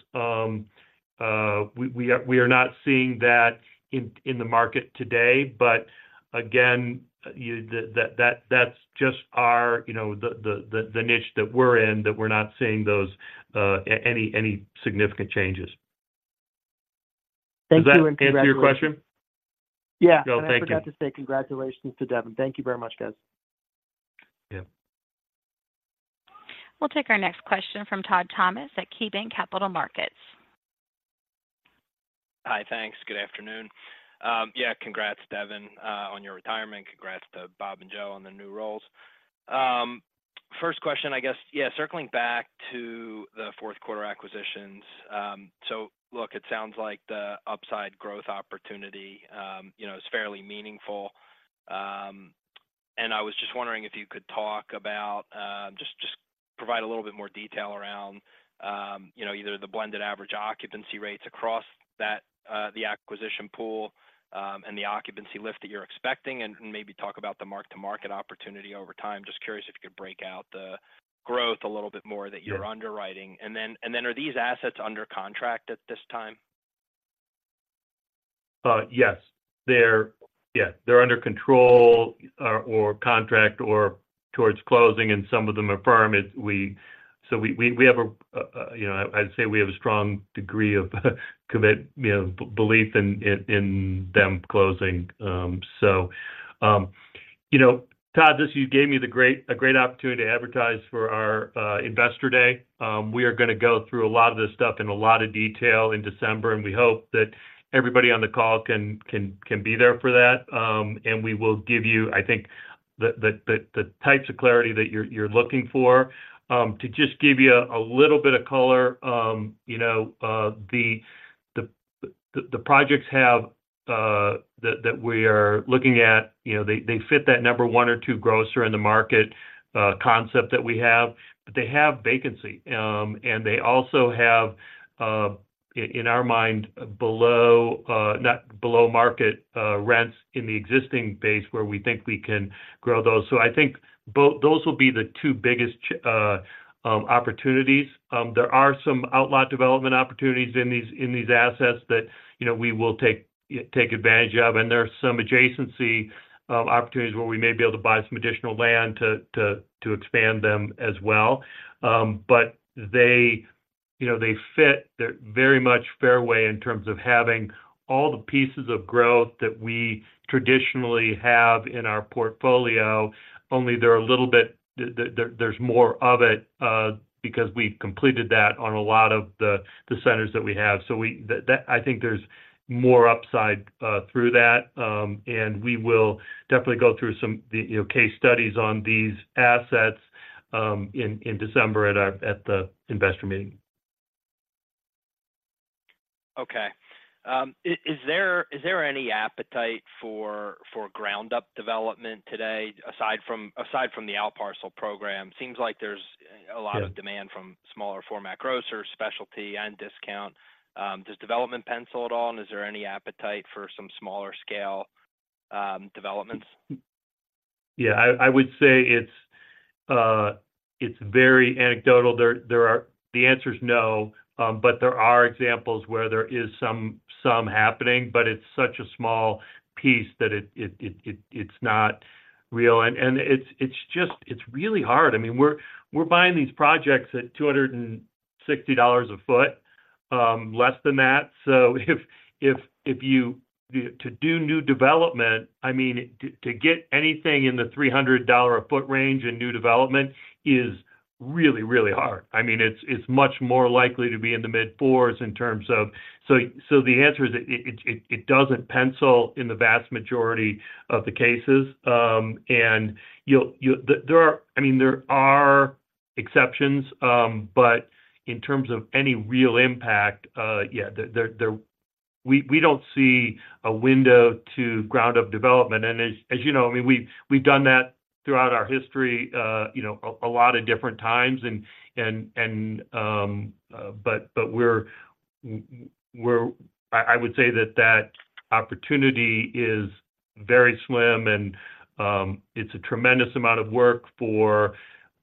we are not seeing that in the market today. But again, that's just our, you know, the niche that we're in, that we're not seeing those any significant changes. Thank you, and congratulations. Does that answer your question? Yeah. Joe, thank you. I forgot to say congratulations to Devin. Thank you very much, guys. Yeah. We'll take our next question from Todd Thomas at KeyBanc Capital Markets. Hi, thanks. Good afternoon. Congrats, Devin, on your retirement. Congrats to Bob and Joe on the new roles. First question, circling back to the fourth quarter acquisitions. So, it sounds like the upside growth opportunity, you know, is fairly meaningful. And I was just wondering if you could talk about, just provide a little bit more detail around, you know, either the blended average occupancy rates across that, the acquisition pool, and the occupancy lift that you're expecting, and maybe talk about the mark-to-market opportunity over time. Just curious if you could break out the growth a little bit more- Yeah... that you're underwriting. And then are these assets under contract at this time? Yes. Yeah, they're under control or contract or towards closing, and some of them are firm. So we have a strong degree of commit, you know, belief in them closing. So, you know, Todd, this gave me a great opportunity to advertise for our investor day. We are going to go through a lot of this stuff in a lot of detail in December, and we hope that everybody on the call can be there for that. And we will give you, I think, the types of clarity that you're looking for. To just give you a little bit of color, you know, the projects that we are looking at, you know, they fit that number one or two grocer in the market concept that we have, but they have vacancy. They also have, in our mind, below-market rents in the existing base where we think we can grow those. So I think those will be the two biggest opportunities. There are some outlot development opportunities in these assets that, you know, we will take advantage of, and there are some adjacency opportunities where we may be able to buy some additional land to expand them as well. But they, you know, they fit. They're very much fairway in terms of having all the pieces of growth that we traditionally have in our portfolio, only they're a little bit. There's more of it because we've completed that on a lot of the centers that we have. So, I think there's more upside through that, and we will definitely go through some, you know, case studies on these assets in December at the investor meeting. Okay. Is there any appetite for ground-up development today, aside from the outparcel program? Seems like there's a lot of- Yeah... demand from smaller format grocers, specialty, and discount. Does development pencil at all, and is there any appetite for some smaller scale developments? Yeah, I would say it's very anecdotal. There are—the answer is no, but there are examples where there is some happening, but it's such a small piece that it's not real. And it's just really hard. I mean, we're buying these projects at $260 a foot, less than that. So if you—to do new development, I mean, to get anything in the $300 a foot range in new development is really, really hard. I mean, it's much more likely to be in the mid-$400s in terms of... So the answer is it doesn't pencil in the vast majority of the cases. And you'll... I mean, there are exceptions, but in terms of any real impact, yeah, there... We don't see a window to ground-up development. And as you know, I mean, we've done that throughout our history, you know, a lot of different times, and... But we're... I would say that that opportunity is very slim, and it's a tremendous amount of work for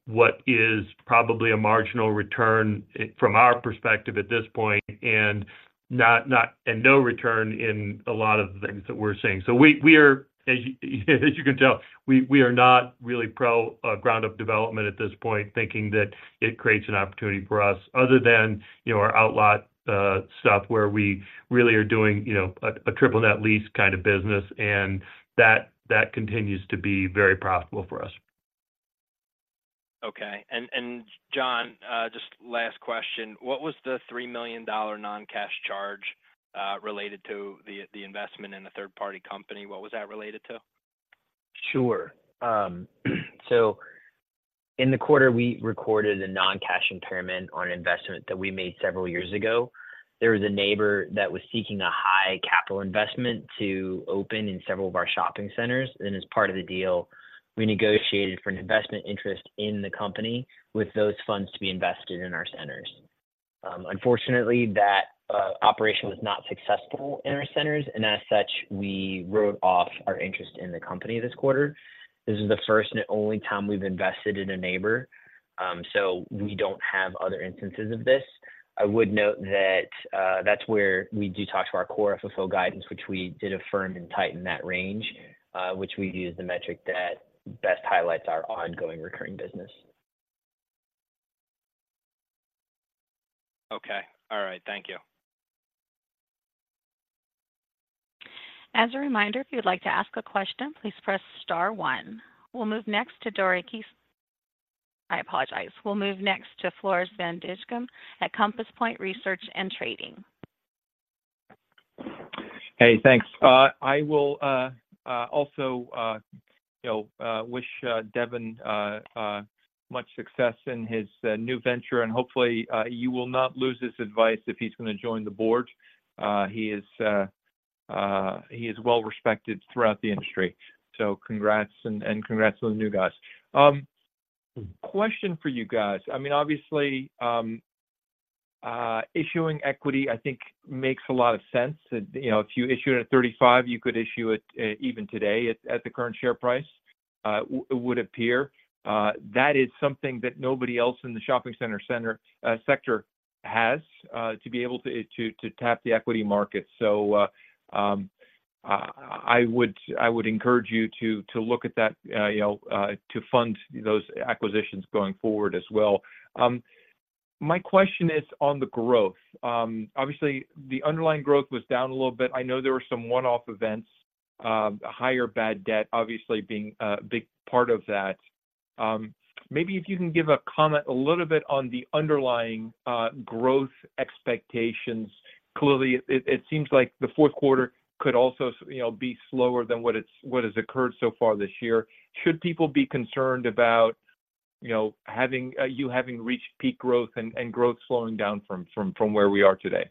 what is probably a marginal return, it, from our perspective at this point, and not- and no return in a lot of the things that we're seeing. So we are, as you can tell, not really pro ground-up development at this point, thinking that it creates an opportunity for us, other than, you know, our outlet stuff, where we really are doing, you know, a triple net lease kind of business, and that continues to be very profitable for us. Okay. And John, just last question: What was the $3 million non-cash charge related to the investment in the third-party company? What was that related to? Sure. So in the quarter, we recorded a non-cash impairment on an investment that we made several years ago. There was a neighbor that was seeking a high capital investment to open in several of our shopping centers, and as part of the deal, we negotiated for an investment interest in the company with those funds to be invested in our centers. Unfortunately, that operation was not successful in our centers, and as such, we wrote off our interest in the company this quarter. This is the first and only time we've invested in a neighbor, so we don't have other instances of this. I would note that, that's where we do talk to our core FFO guidance, which we did affirm and tighten that range, which we view as the metric that best highlights our ongoing recurring business. Okay. All right, thank you. As a reminder, if you'd like to ask a question, please press star one. We'll move next to Dori Kesten. I apologize. We'll move next to Floris Van Dijkum at Compass Point Research and Trading. Hey, thanks. I will also, you know, wish Devin much success in his new venture, and hopefully you will not lose his advice if he's going to join the board. He is well respected throughout the industry, so congrats, and congrats to the new guys. Question for you guys: I mean, obviously, issuing equity, I think, makes a lot of sense. You know, if you issue it at $35, you could issue it even today at the current share price, it would appear. That is something that nobody else in the shopping center sector has to be able to tap the equity market. So, I would encourage you to look at that, you know, to fund those acquisitions going forward as well. My question is on the growth. Obviously, the underlying growth was down a little bit. I know there were some one-off events, higher bad debt obviously being a big part of that. Maybe if you can give a comment a little bit on the underlying growth expectations. Clearly, it seems like the fourth quarter could also, you know, be slower than what has occurred so far this year. Should people be concerned about, you know, you having reached peak growth and growth slowing down from where we are today?...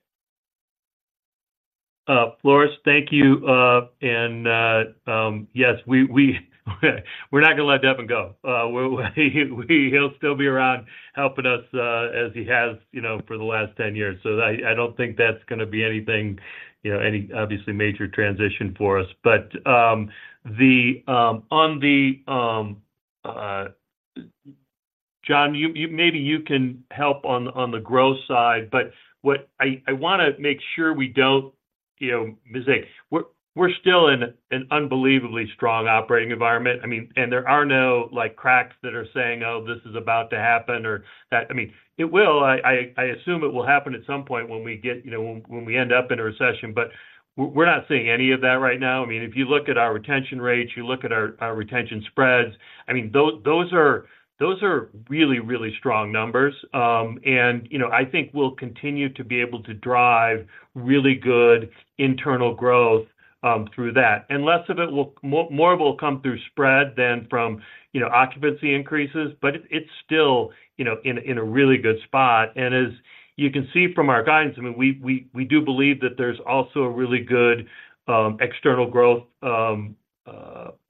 Floris, thank you. And yes, we're not gonna let Devin go. He'll still be around helping us, as he has, you know, for the last 10 years. So I don't think that's gonna be anything, you know, any obviously major transition for us. But on the... John, you maybe can help on the growth side, but what I wanna make sure we don't, you know, mistake. We're still in an unbelievably strong operating environment. I mean, and there are no, like, cracks that are saying, "Oh, this is about to happen," or that - I mean, it will. I assume it will happen at some point when we get, you know, when we end up in a recession, but we're not seeing any of that right now. I mean, if you look at our retention rates, you look at our retention spreads, I mean, those are really strong numbers. And, you know, I think we'll continue to be able to drive really good internal growth through that. And more will come through spread than from, you know, occupancy increases, but it's still, you know, in a really good spot. And as you can see from our guidance, I mean, we do believe that there's also a really good external growth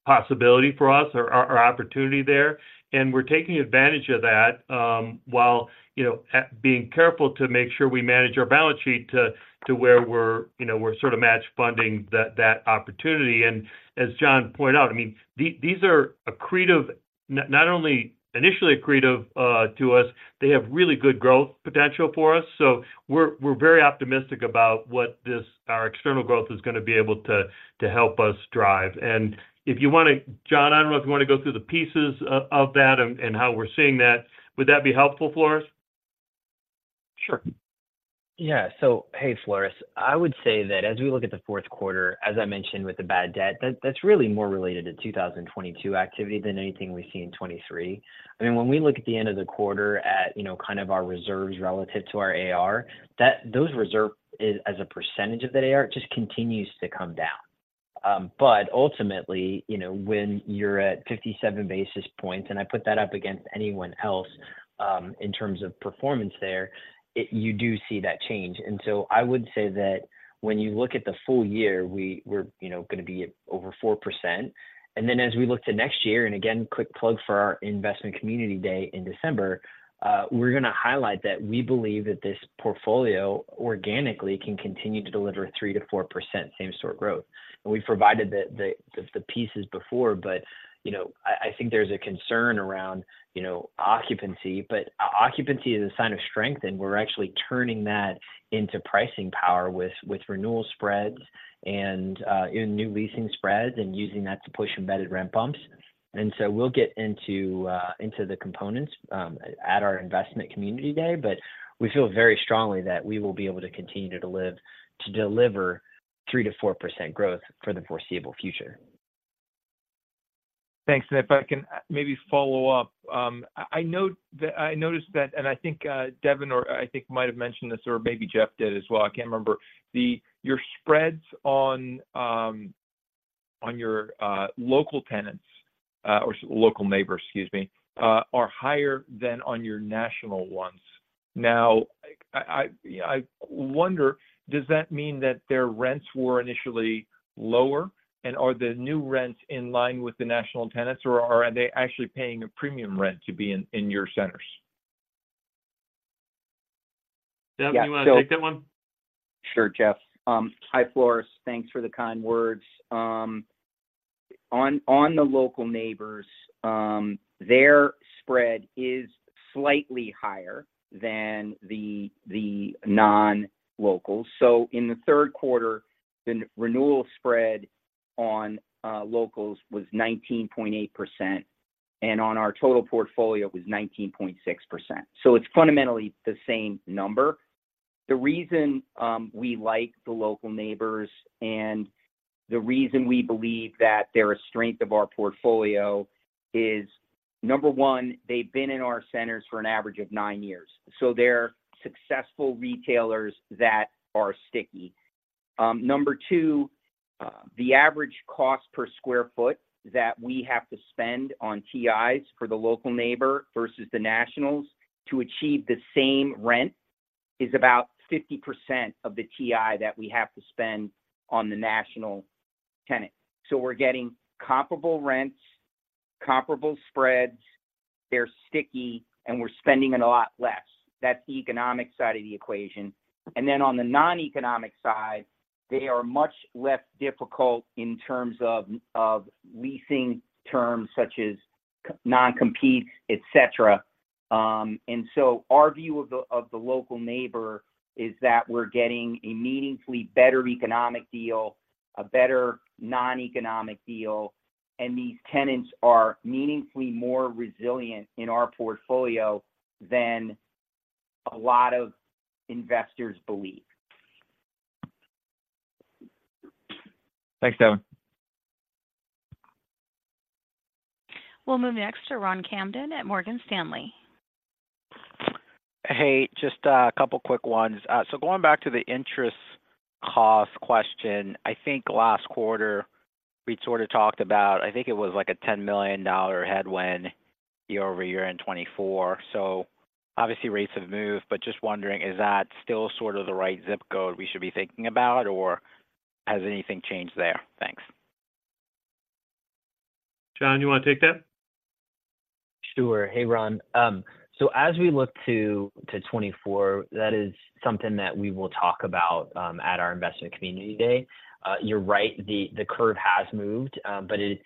possibility for us or opportunity there. And we're taking advantage of that, while, you know, at being careful to make sure we manage our balance sheet to, to where we're, you know, we're sort of match funding that, that opportunity. And as John pointed out, I mean, these, these are accretive, not only initially accretive, to us, they have really good growth potential for us. So we're, we're very optimistic about what this, our external growth is gonna be able to, to help us drive. And if you want to... John, I don't know if you want to go through the pieces of, of that and, and how we're seeing that. Would that be helpful, Floris? Sure. Yeah. So, hey, Floris. I would say that as we look at the fourth quarter, as I mentioned with the bad debt, that's really more related to 2022 activity than anything we see in 2023. I mean, when we look at the end of the quarter at, you know, kind of our reserves relative to our AR, those reserves is, as a percentage of that AR, just continues to come down. But ultimately, you know, when you're at 57 basis points, and I put that up against anyone else, in terms of performance there, you do see that change. And so I would say that when you look at the full year, we're, you know, gonna be over 4%. And then as we look to next year, and again, quick plug for our investment community day in December, we're gonna highlight that we believe that this portfolio organically can continue to deliver 3%-4% same-store growth. And we've provided the pieces before, but, you know, I think there's a concern around, you know, occupancy. But occupancy is a sign of strength, and we're actually turning that into pricing power with renewal spreads and in new leasing spreads and using that to push embedded rent bumps. And so we'll get into the components at our investment community day, but we feel very strongly that we will be able to continue to deliver 3%-4% growth for the foreseeable future. Thanks. And if I can maybe follow up, I note that—I noticed that, and I think Devin or I think might have mentioned this, or maybe Jeff did as well. I can't remember. Your spreads on your local tenants or local neighbors, excuse me, are higher than on your national ones. Now, I wonder, does that mean that their rents were initially lower? And are the new rents in line with the national tenants, or are they actually paying a premium rent to be in your centers? Dev, you want to take that one? Sure, Jeff. Hi, Floris. Thanks for the kind words. On the local neighbors, their spread is slightly higher than the non-locals. So in the third quarter, the renewal spread on locals was 19.8%, and on our total portfolio, it was 19.6%. So it's fundamentally the same number. The reason we like the local neighbors and the reason we believe that they're a strength of our portfolio is, number one, they've been in our centers for an average of 9 years. So they're successful retailers that are sticky. Number two, the average cost per square foot that we have to spend on TIs for the local neighbor versus the nationals to achieve the same rent is about 50% of the TI that we have to spend on the national tenant. So we're getting comparable rents, comparable spreads, they're sticky, and we're spending it a lot less. That's the economic side of the equation. And then on the non-economic side, they are much less difficult in terms of leasing terms such as non-compete, et cetera. And so our view of the local neighbor is that we're getting a meaningfully better economic deal, a better non-economic deal, and these tenants are meaningfully more resilient in our portfolio than a lot of investors believe. Thanks, Devin. We'll move next to Ron Kamdem at Morgan Stanley. Hey, just a couple quick ones. So going back to the interest cost question, I think last quarter we sort of talked about, I think it was like a $10 million headwind year-over-year in 2024. So obviously, rates have moved, but just wondering, is that still sort of the right zip code we should be thinking about, or has anything changed there? Thanks. John, you want to take that? Sure. Hey, Ron. So as we look to 2024, that is something that we will talk about at our investment community day. You're right, the curve has moved, but it's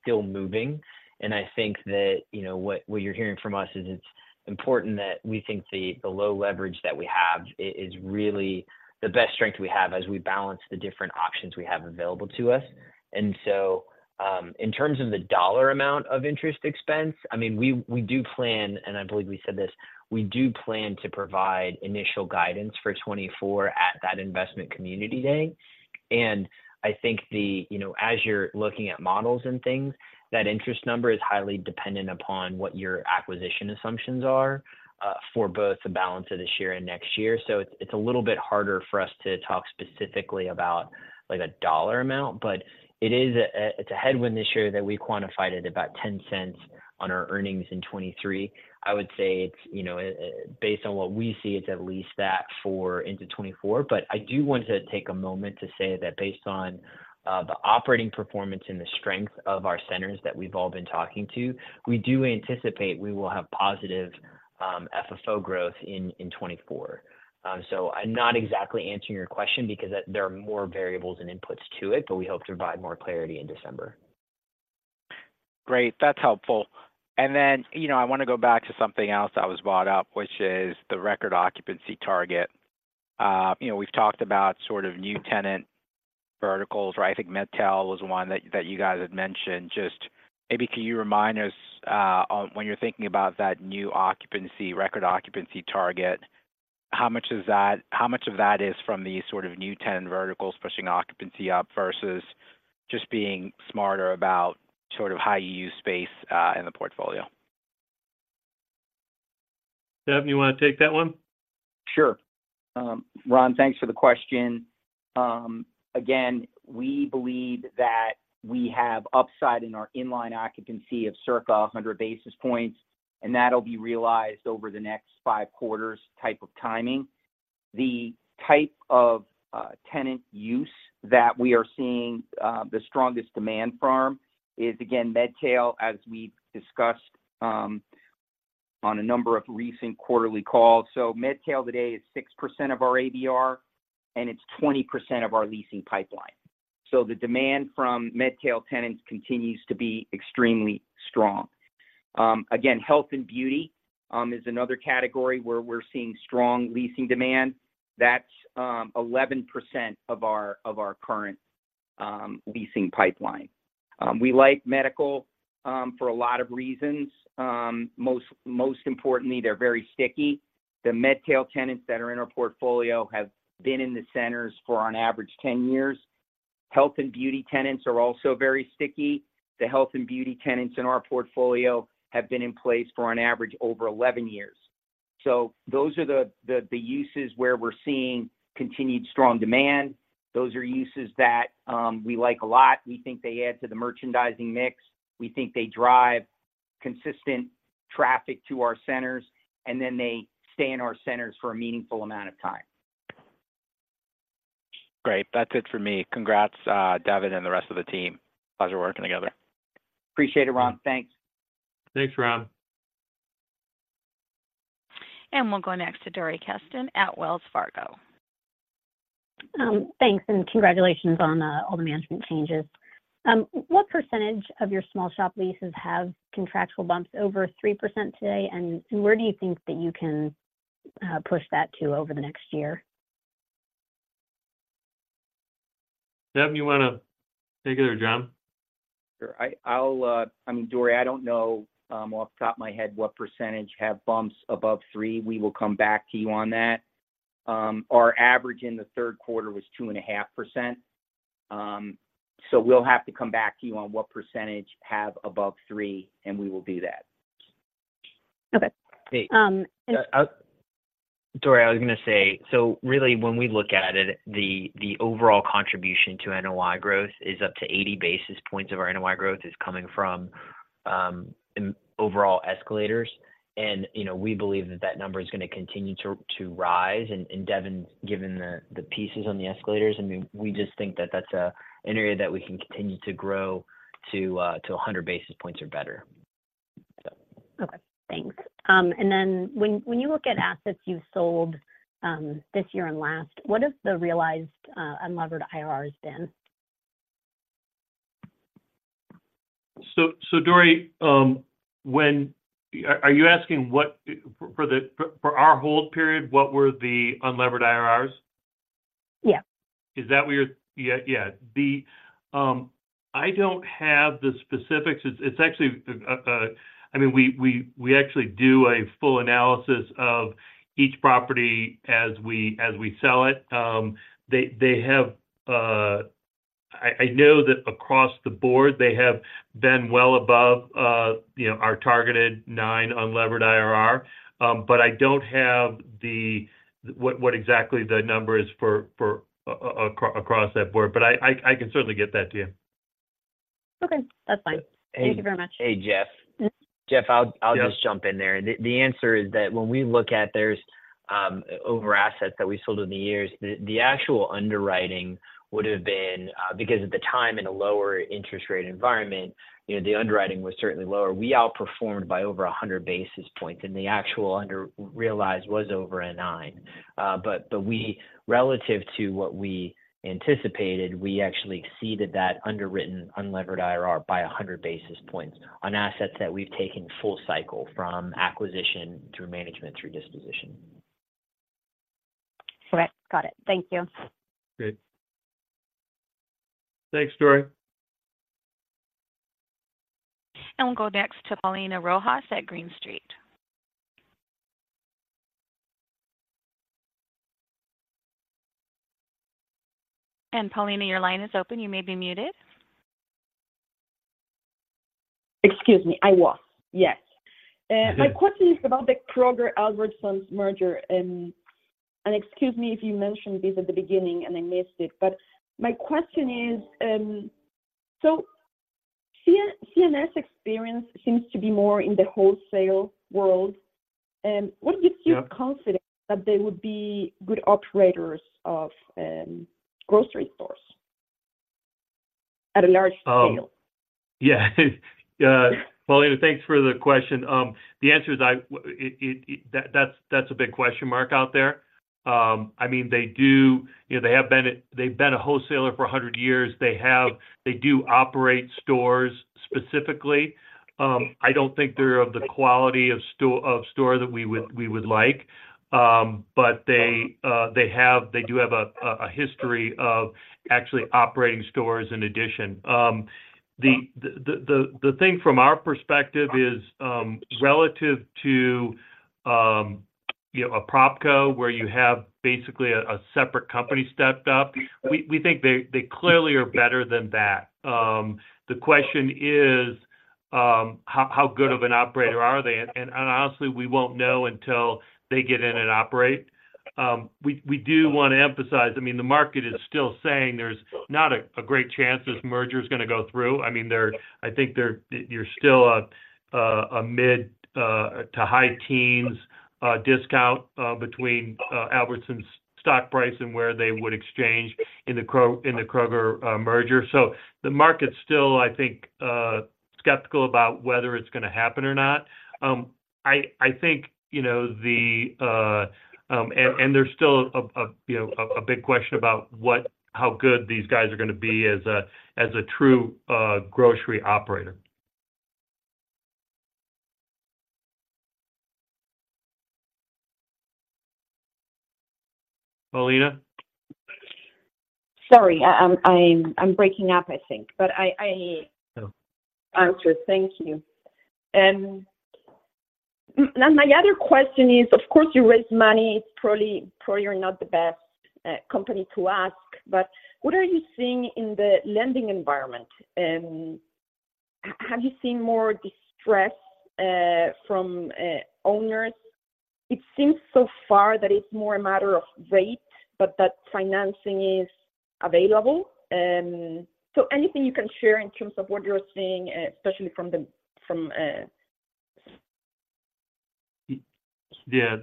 still moving. And I think that, you know, what you're hearing from us is it's important that we think the low leverage that we have is really the best strength we have as we balance the different options we have available to us. And so, in terms of the dollar amount of interest expense, I mean, we do plan, and I believe we said this, we do plan to provide initial guidance for 2024 at that investment community day. I think, you know, as you're looking at models and things, that interest number is highly dependent upon what your acquisition assumptions are for both the balance of this year and next year. So it's a little bit harder for us to talk specifically about, like, a dollar amount, but it is a headwind this year that we quantified at about $0.10 on our earnings in 2023. I would say it's, you know, based on what we see, it's at least that for into 2024. But I do want to take a moment to say that based on the operating performance and the strength of our centers that we've all been talking to, we do anticipate we will have positive FFO growth in 2024. I'm not exactly answering your question because there are more variables and inputs to it, but we hope to provide more clarity in December. Great, that's helpful. And then, you know, I want to go back to something else that was brought up, which is the record occupancy target. You know, we've talked about sort of new tenant verticals, or I think MedTail was one that you guys had mentioned. Just maybe can you remind us, on when you're thinking about that new occupancy, record occupancy target, how much is that, how much of that is from the sort of new tenant verticals pushing occupancy up versus just being smarter about sort of how you use space, in the portfolio? Devin, you want to take that one? Sure. Ron, thanks for the question. Again, we believe that we have upside in our in-line occupancy of circa 100 basis points, and that'll be realized over the next 5 quarters type of timing. The type of tenant use that we are seeing the strongest demand from is, again, MedTail, as we've discussed on a number of recent quarterly calls. So MedTail today is 6% of our ABR, and it's 20% of our leasing pipeline. So the demand from MedTail tenants continues to be extremely strong. Again, health and beauty is another category where we're seeing strong leasing demand. That's 11% of our current leasing pipeline. We like medical for a lot of reasons. Most importantly, they're very sticky. The MedTail tenants that are in our portfolio have been in the centers for on average 10 years. Health and beauty tenants are also very sticky. The health and beauty tenants in our portfolio have been in place for an average over 11 years. So those are the uses where we're seeing continued strong demand. Those are uses that we like a lot. We think they add to the merchandising mix. We think they drive consistent traffic to our centers, and then they stay in our centers for a meaningful amount of time. Great. That's it for me. Congrats, Devin and the rest of the team. Pleasure working together. Appreciate it, Ron. Thanks. Thanks, Ron. We'll go next to Dori Kesten at Wells Fargo. Thanks, and congratulations on all the management changes. What percentage of your small shop leases have contractual bumps over 3% today, and where do you think that you can push that to over the next year? Devin, you want to take it or John? Sure. I, I'll... I mean, Dori, I don't know off the top of my head what percentage have bumps above 3. We will come back to you on that. Our average in the third quarter was 2.5%. So we'll have to come back to you on what percentage have above 3, and we will do that. Okay. Dori, I was going to say, so really, when we look at it, the overall contribution to NOI growth is up to 80 basis points of our NOI growth is coming from overall escalators. And, you know, we believe that that number is going to continue to rise. And Devin, given the pieces on the escalators, I mean, we just think that that's an area that we can continue to grow to 100 basis points or better. So- Okay, thanks. And then when you look at assets you've sold this year and last, what has the realized unlevered IRRs been? So, Dori, are you asking what for our hold period, what were the unlevered IRRs? Yeah. Is that what you're? Yeah, yeah. I don't have the specifics. It's actually... I mean, we actually do a full analysis of each property as we sell it. I know that across the board, they have been well above, you know, our targeted 9 unlevered IRR. But I don't have what exactly the number is for across that board, but I can certainly get that to you.... Okay, that's fine. Thank you very much. Hey, hey, Jeff. Jeff, I'll- Yep. I'll just jump in there. The answer is that when we look at the assets that we sold over the years, the actual underwriting would have been... Because at the time, in a lower interest rate environment, you know, the underwriting was certainly lower. We outperformed by over 100 basis points, and the actual realized was over a 9. But we, relative to what we anticipated, we actually exceeded that underwritten unlevered IRR by 100 basis points on assets that we've taken full cycle, from acquisition through management through disposition. Correct. Got it. Thank you. Great. Thanks, Dori. We'll go next to Paulina Rojas at Green Street. Paulina, your line is open. You may be muted. Excuse me. I was, yes. Mm-hmm. My question is about the Kroger, Albertsons merger. Excuse me if you mentioned this at the beginning and I missed it, but my question is, so C&S experience seems to be more in the wholesale world. What gives- Yeah... you confidence that they would be good operators of, grocery stores at a large scale? Yeah. Paulina, thanks for the question. The answer is that's a big question mark out there. I mean, they do. You know, they have been a wholesaler for 100 years. They do operate stores specifically. I don't think they're of the quality of store that we would like. But they do have a history of actually operating stores in addition. The thing from our perspective is relative to, you know, a PropCo, where you have basically a separate company stepped up, we think they clearly are better than that. The question is how good of an operator are they? Honestly, we won't know until they get in and operate. We do want to emphasize, I mean, the market is still saying there's not a great chance this merger is gonna go through. I mean, I think there's still a mid to high teens discount between Albertsons stock price and where they would exchange in the Kroger merger. So the market's still, I think, skeptical about whether it's gonna happen or not. I think, you know, there's still a big question about how good these guys are gonna be as a true grocery operator. Paulina? Sorry, I'm breaking up, I think. But I- Oh... understood. Thank you. And now, my other question is, of course, you raise money, it's probably, probably you're not the best company to ask, but what are you seeing in the lending environment? And have you seen more distress from owners? It seems so far that it's more a matter of rate, but that financing is available. So anything you can share in terms of what you're seeing, especially from the, from- Yeah.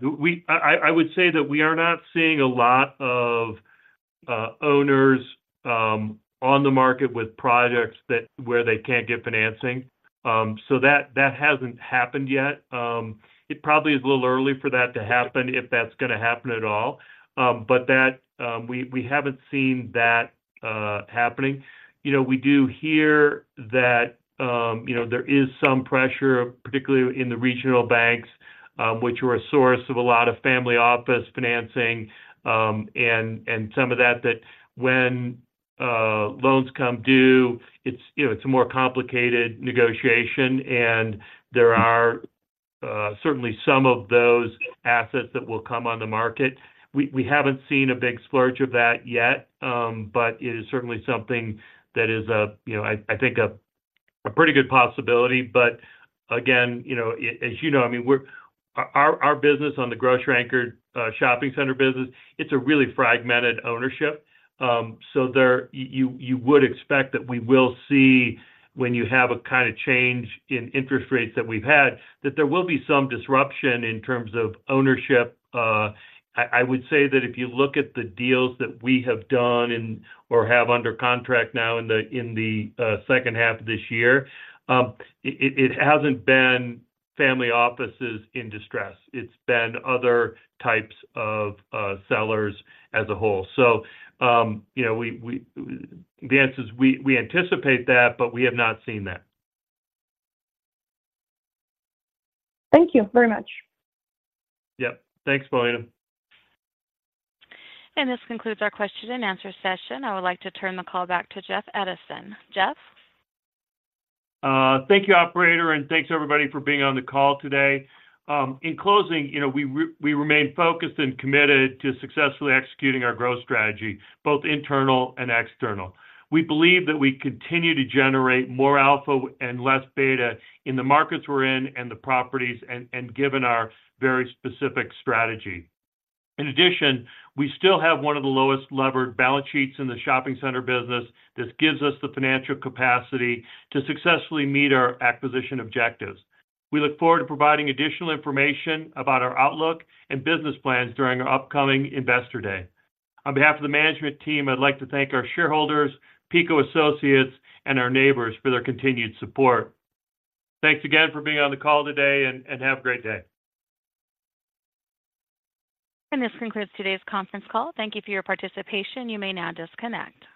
I would say that we are not seeing a lot of owners on the market with projects that where they can't get financing. So that hasn't happened yet. It probably is a little early for that to happen, if that's gonna happen at all. But that we haven't seen that happening. You know, we do hear that, you know, there is some pressure, particularly in the regional banks, which were a source of a lot of family office financing, and some of that when loans come due, it's, you know, it's a more complicated negotiation, and there are certainly some of those assets that will come on the market. We, we haven't seen a big splurge of that yet, but it is certainly something that is, you know, I think a pretty good possibility. But again, you know, as you know, I mean, we're... Our business on the grocery-anchored shopping center business, it's a really fragmented ownership. So there, you would expect that we will see when you have a kind of change in interest rates that we've had, that there will be some disruption in terms of ownership. I would say that if you look at the deals that we have done and, or have under contract now in the second half of this year, it hasn't been family offices in distress. It's been other types of sellers as a whole. So, you know, the answer is we anticipate that, but we have not seen that. Thank you very much. Yep. Thanks, Paulina. This concludes our question and answer session. I would like to turn the call back to Jeff Edison. Jeff? Thank you, operator, and thanks everybody for being on the call today. In closing, you know, we remain focused and committed to successfully executing our growth strategy, both internal and external. We believe that we continue to generate more alpha and less beta in the markets we're in, and the properties and given our very specific strategy. In addition, we still have one of the lowest levered balance sheets in the shopping center business. This gives us the financial capacity to successfully meet our acquisition objectives. We look forward to providing additional information about our outlook and business plans during our upcoming Investor Day. On behalf of the management team, I'd like to thank our shareholders, PECO associates, and our neighbors for their continued support. Thanks again for being on the call today, and have a great day. This concludes today's conference call. Thank you for your participation. You may now disconnect.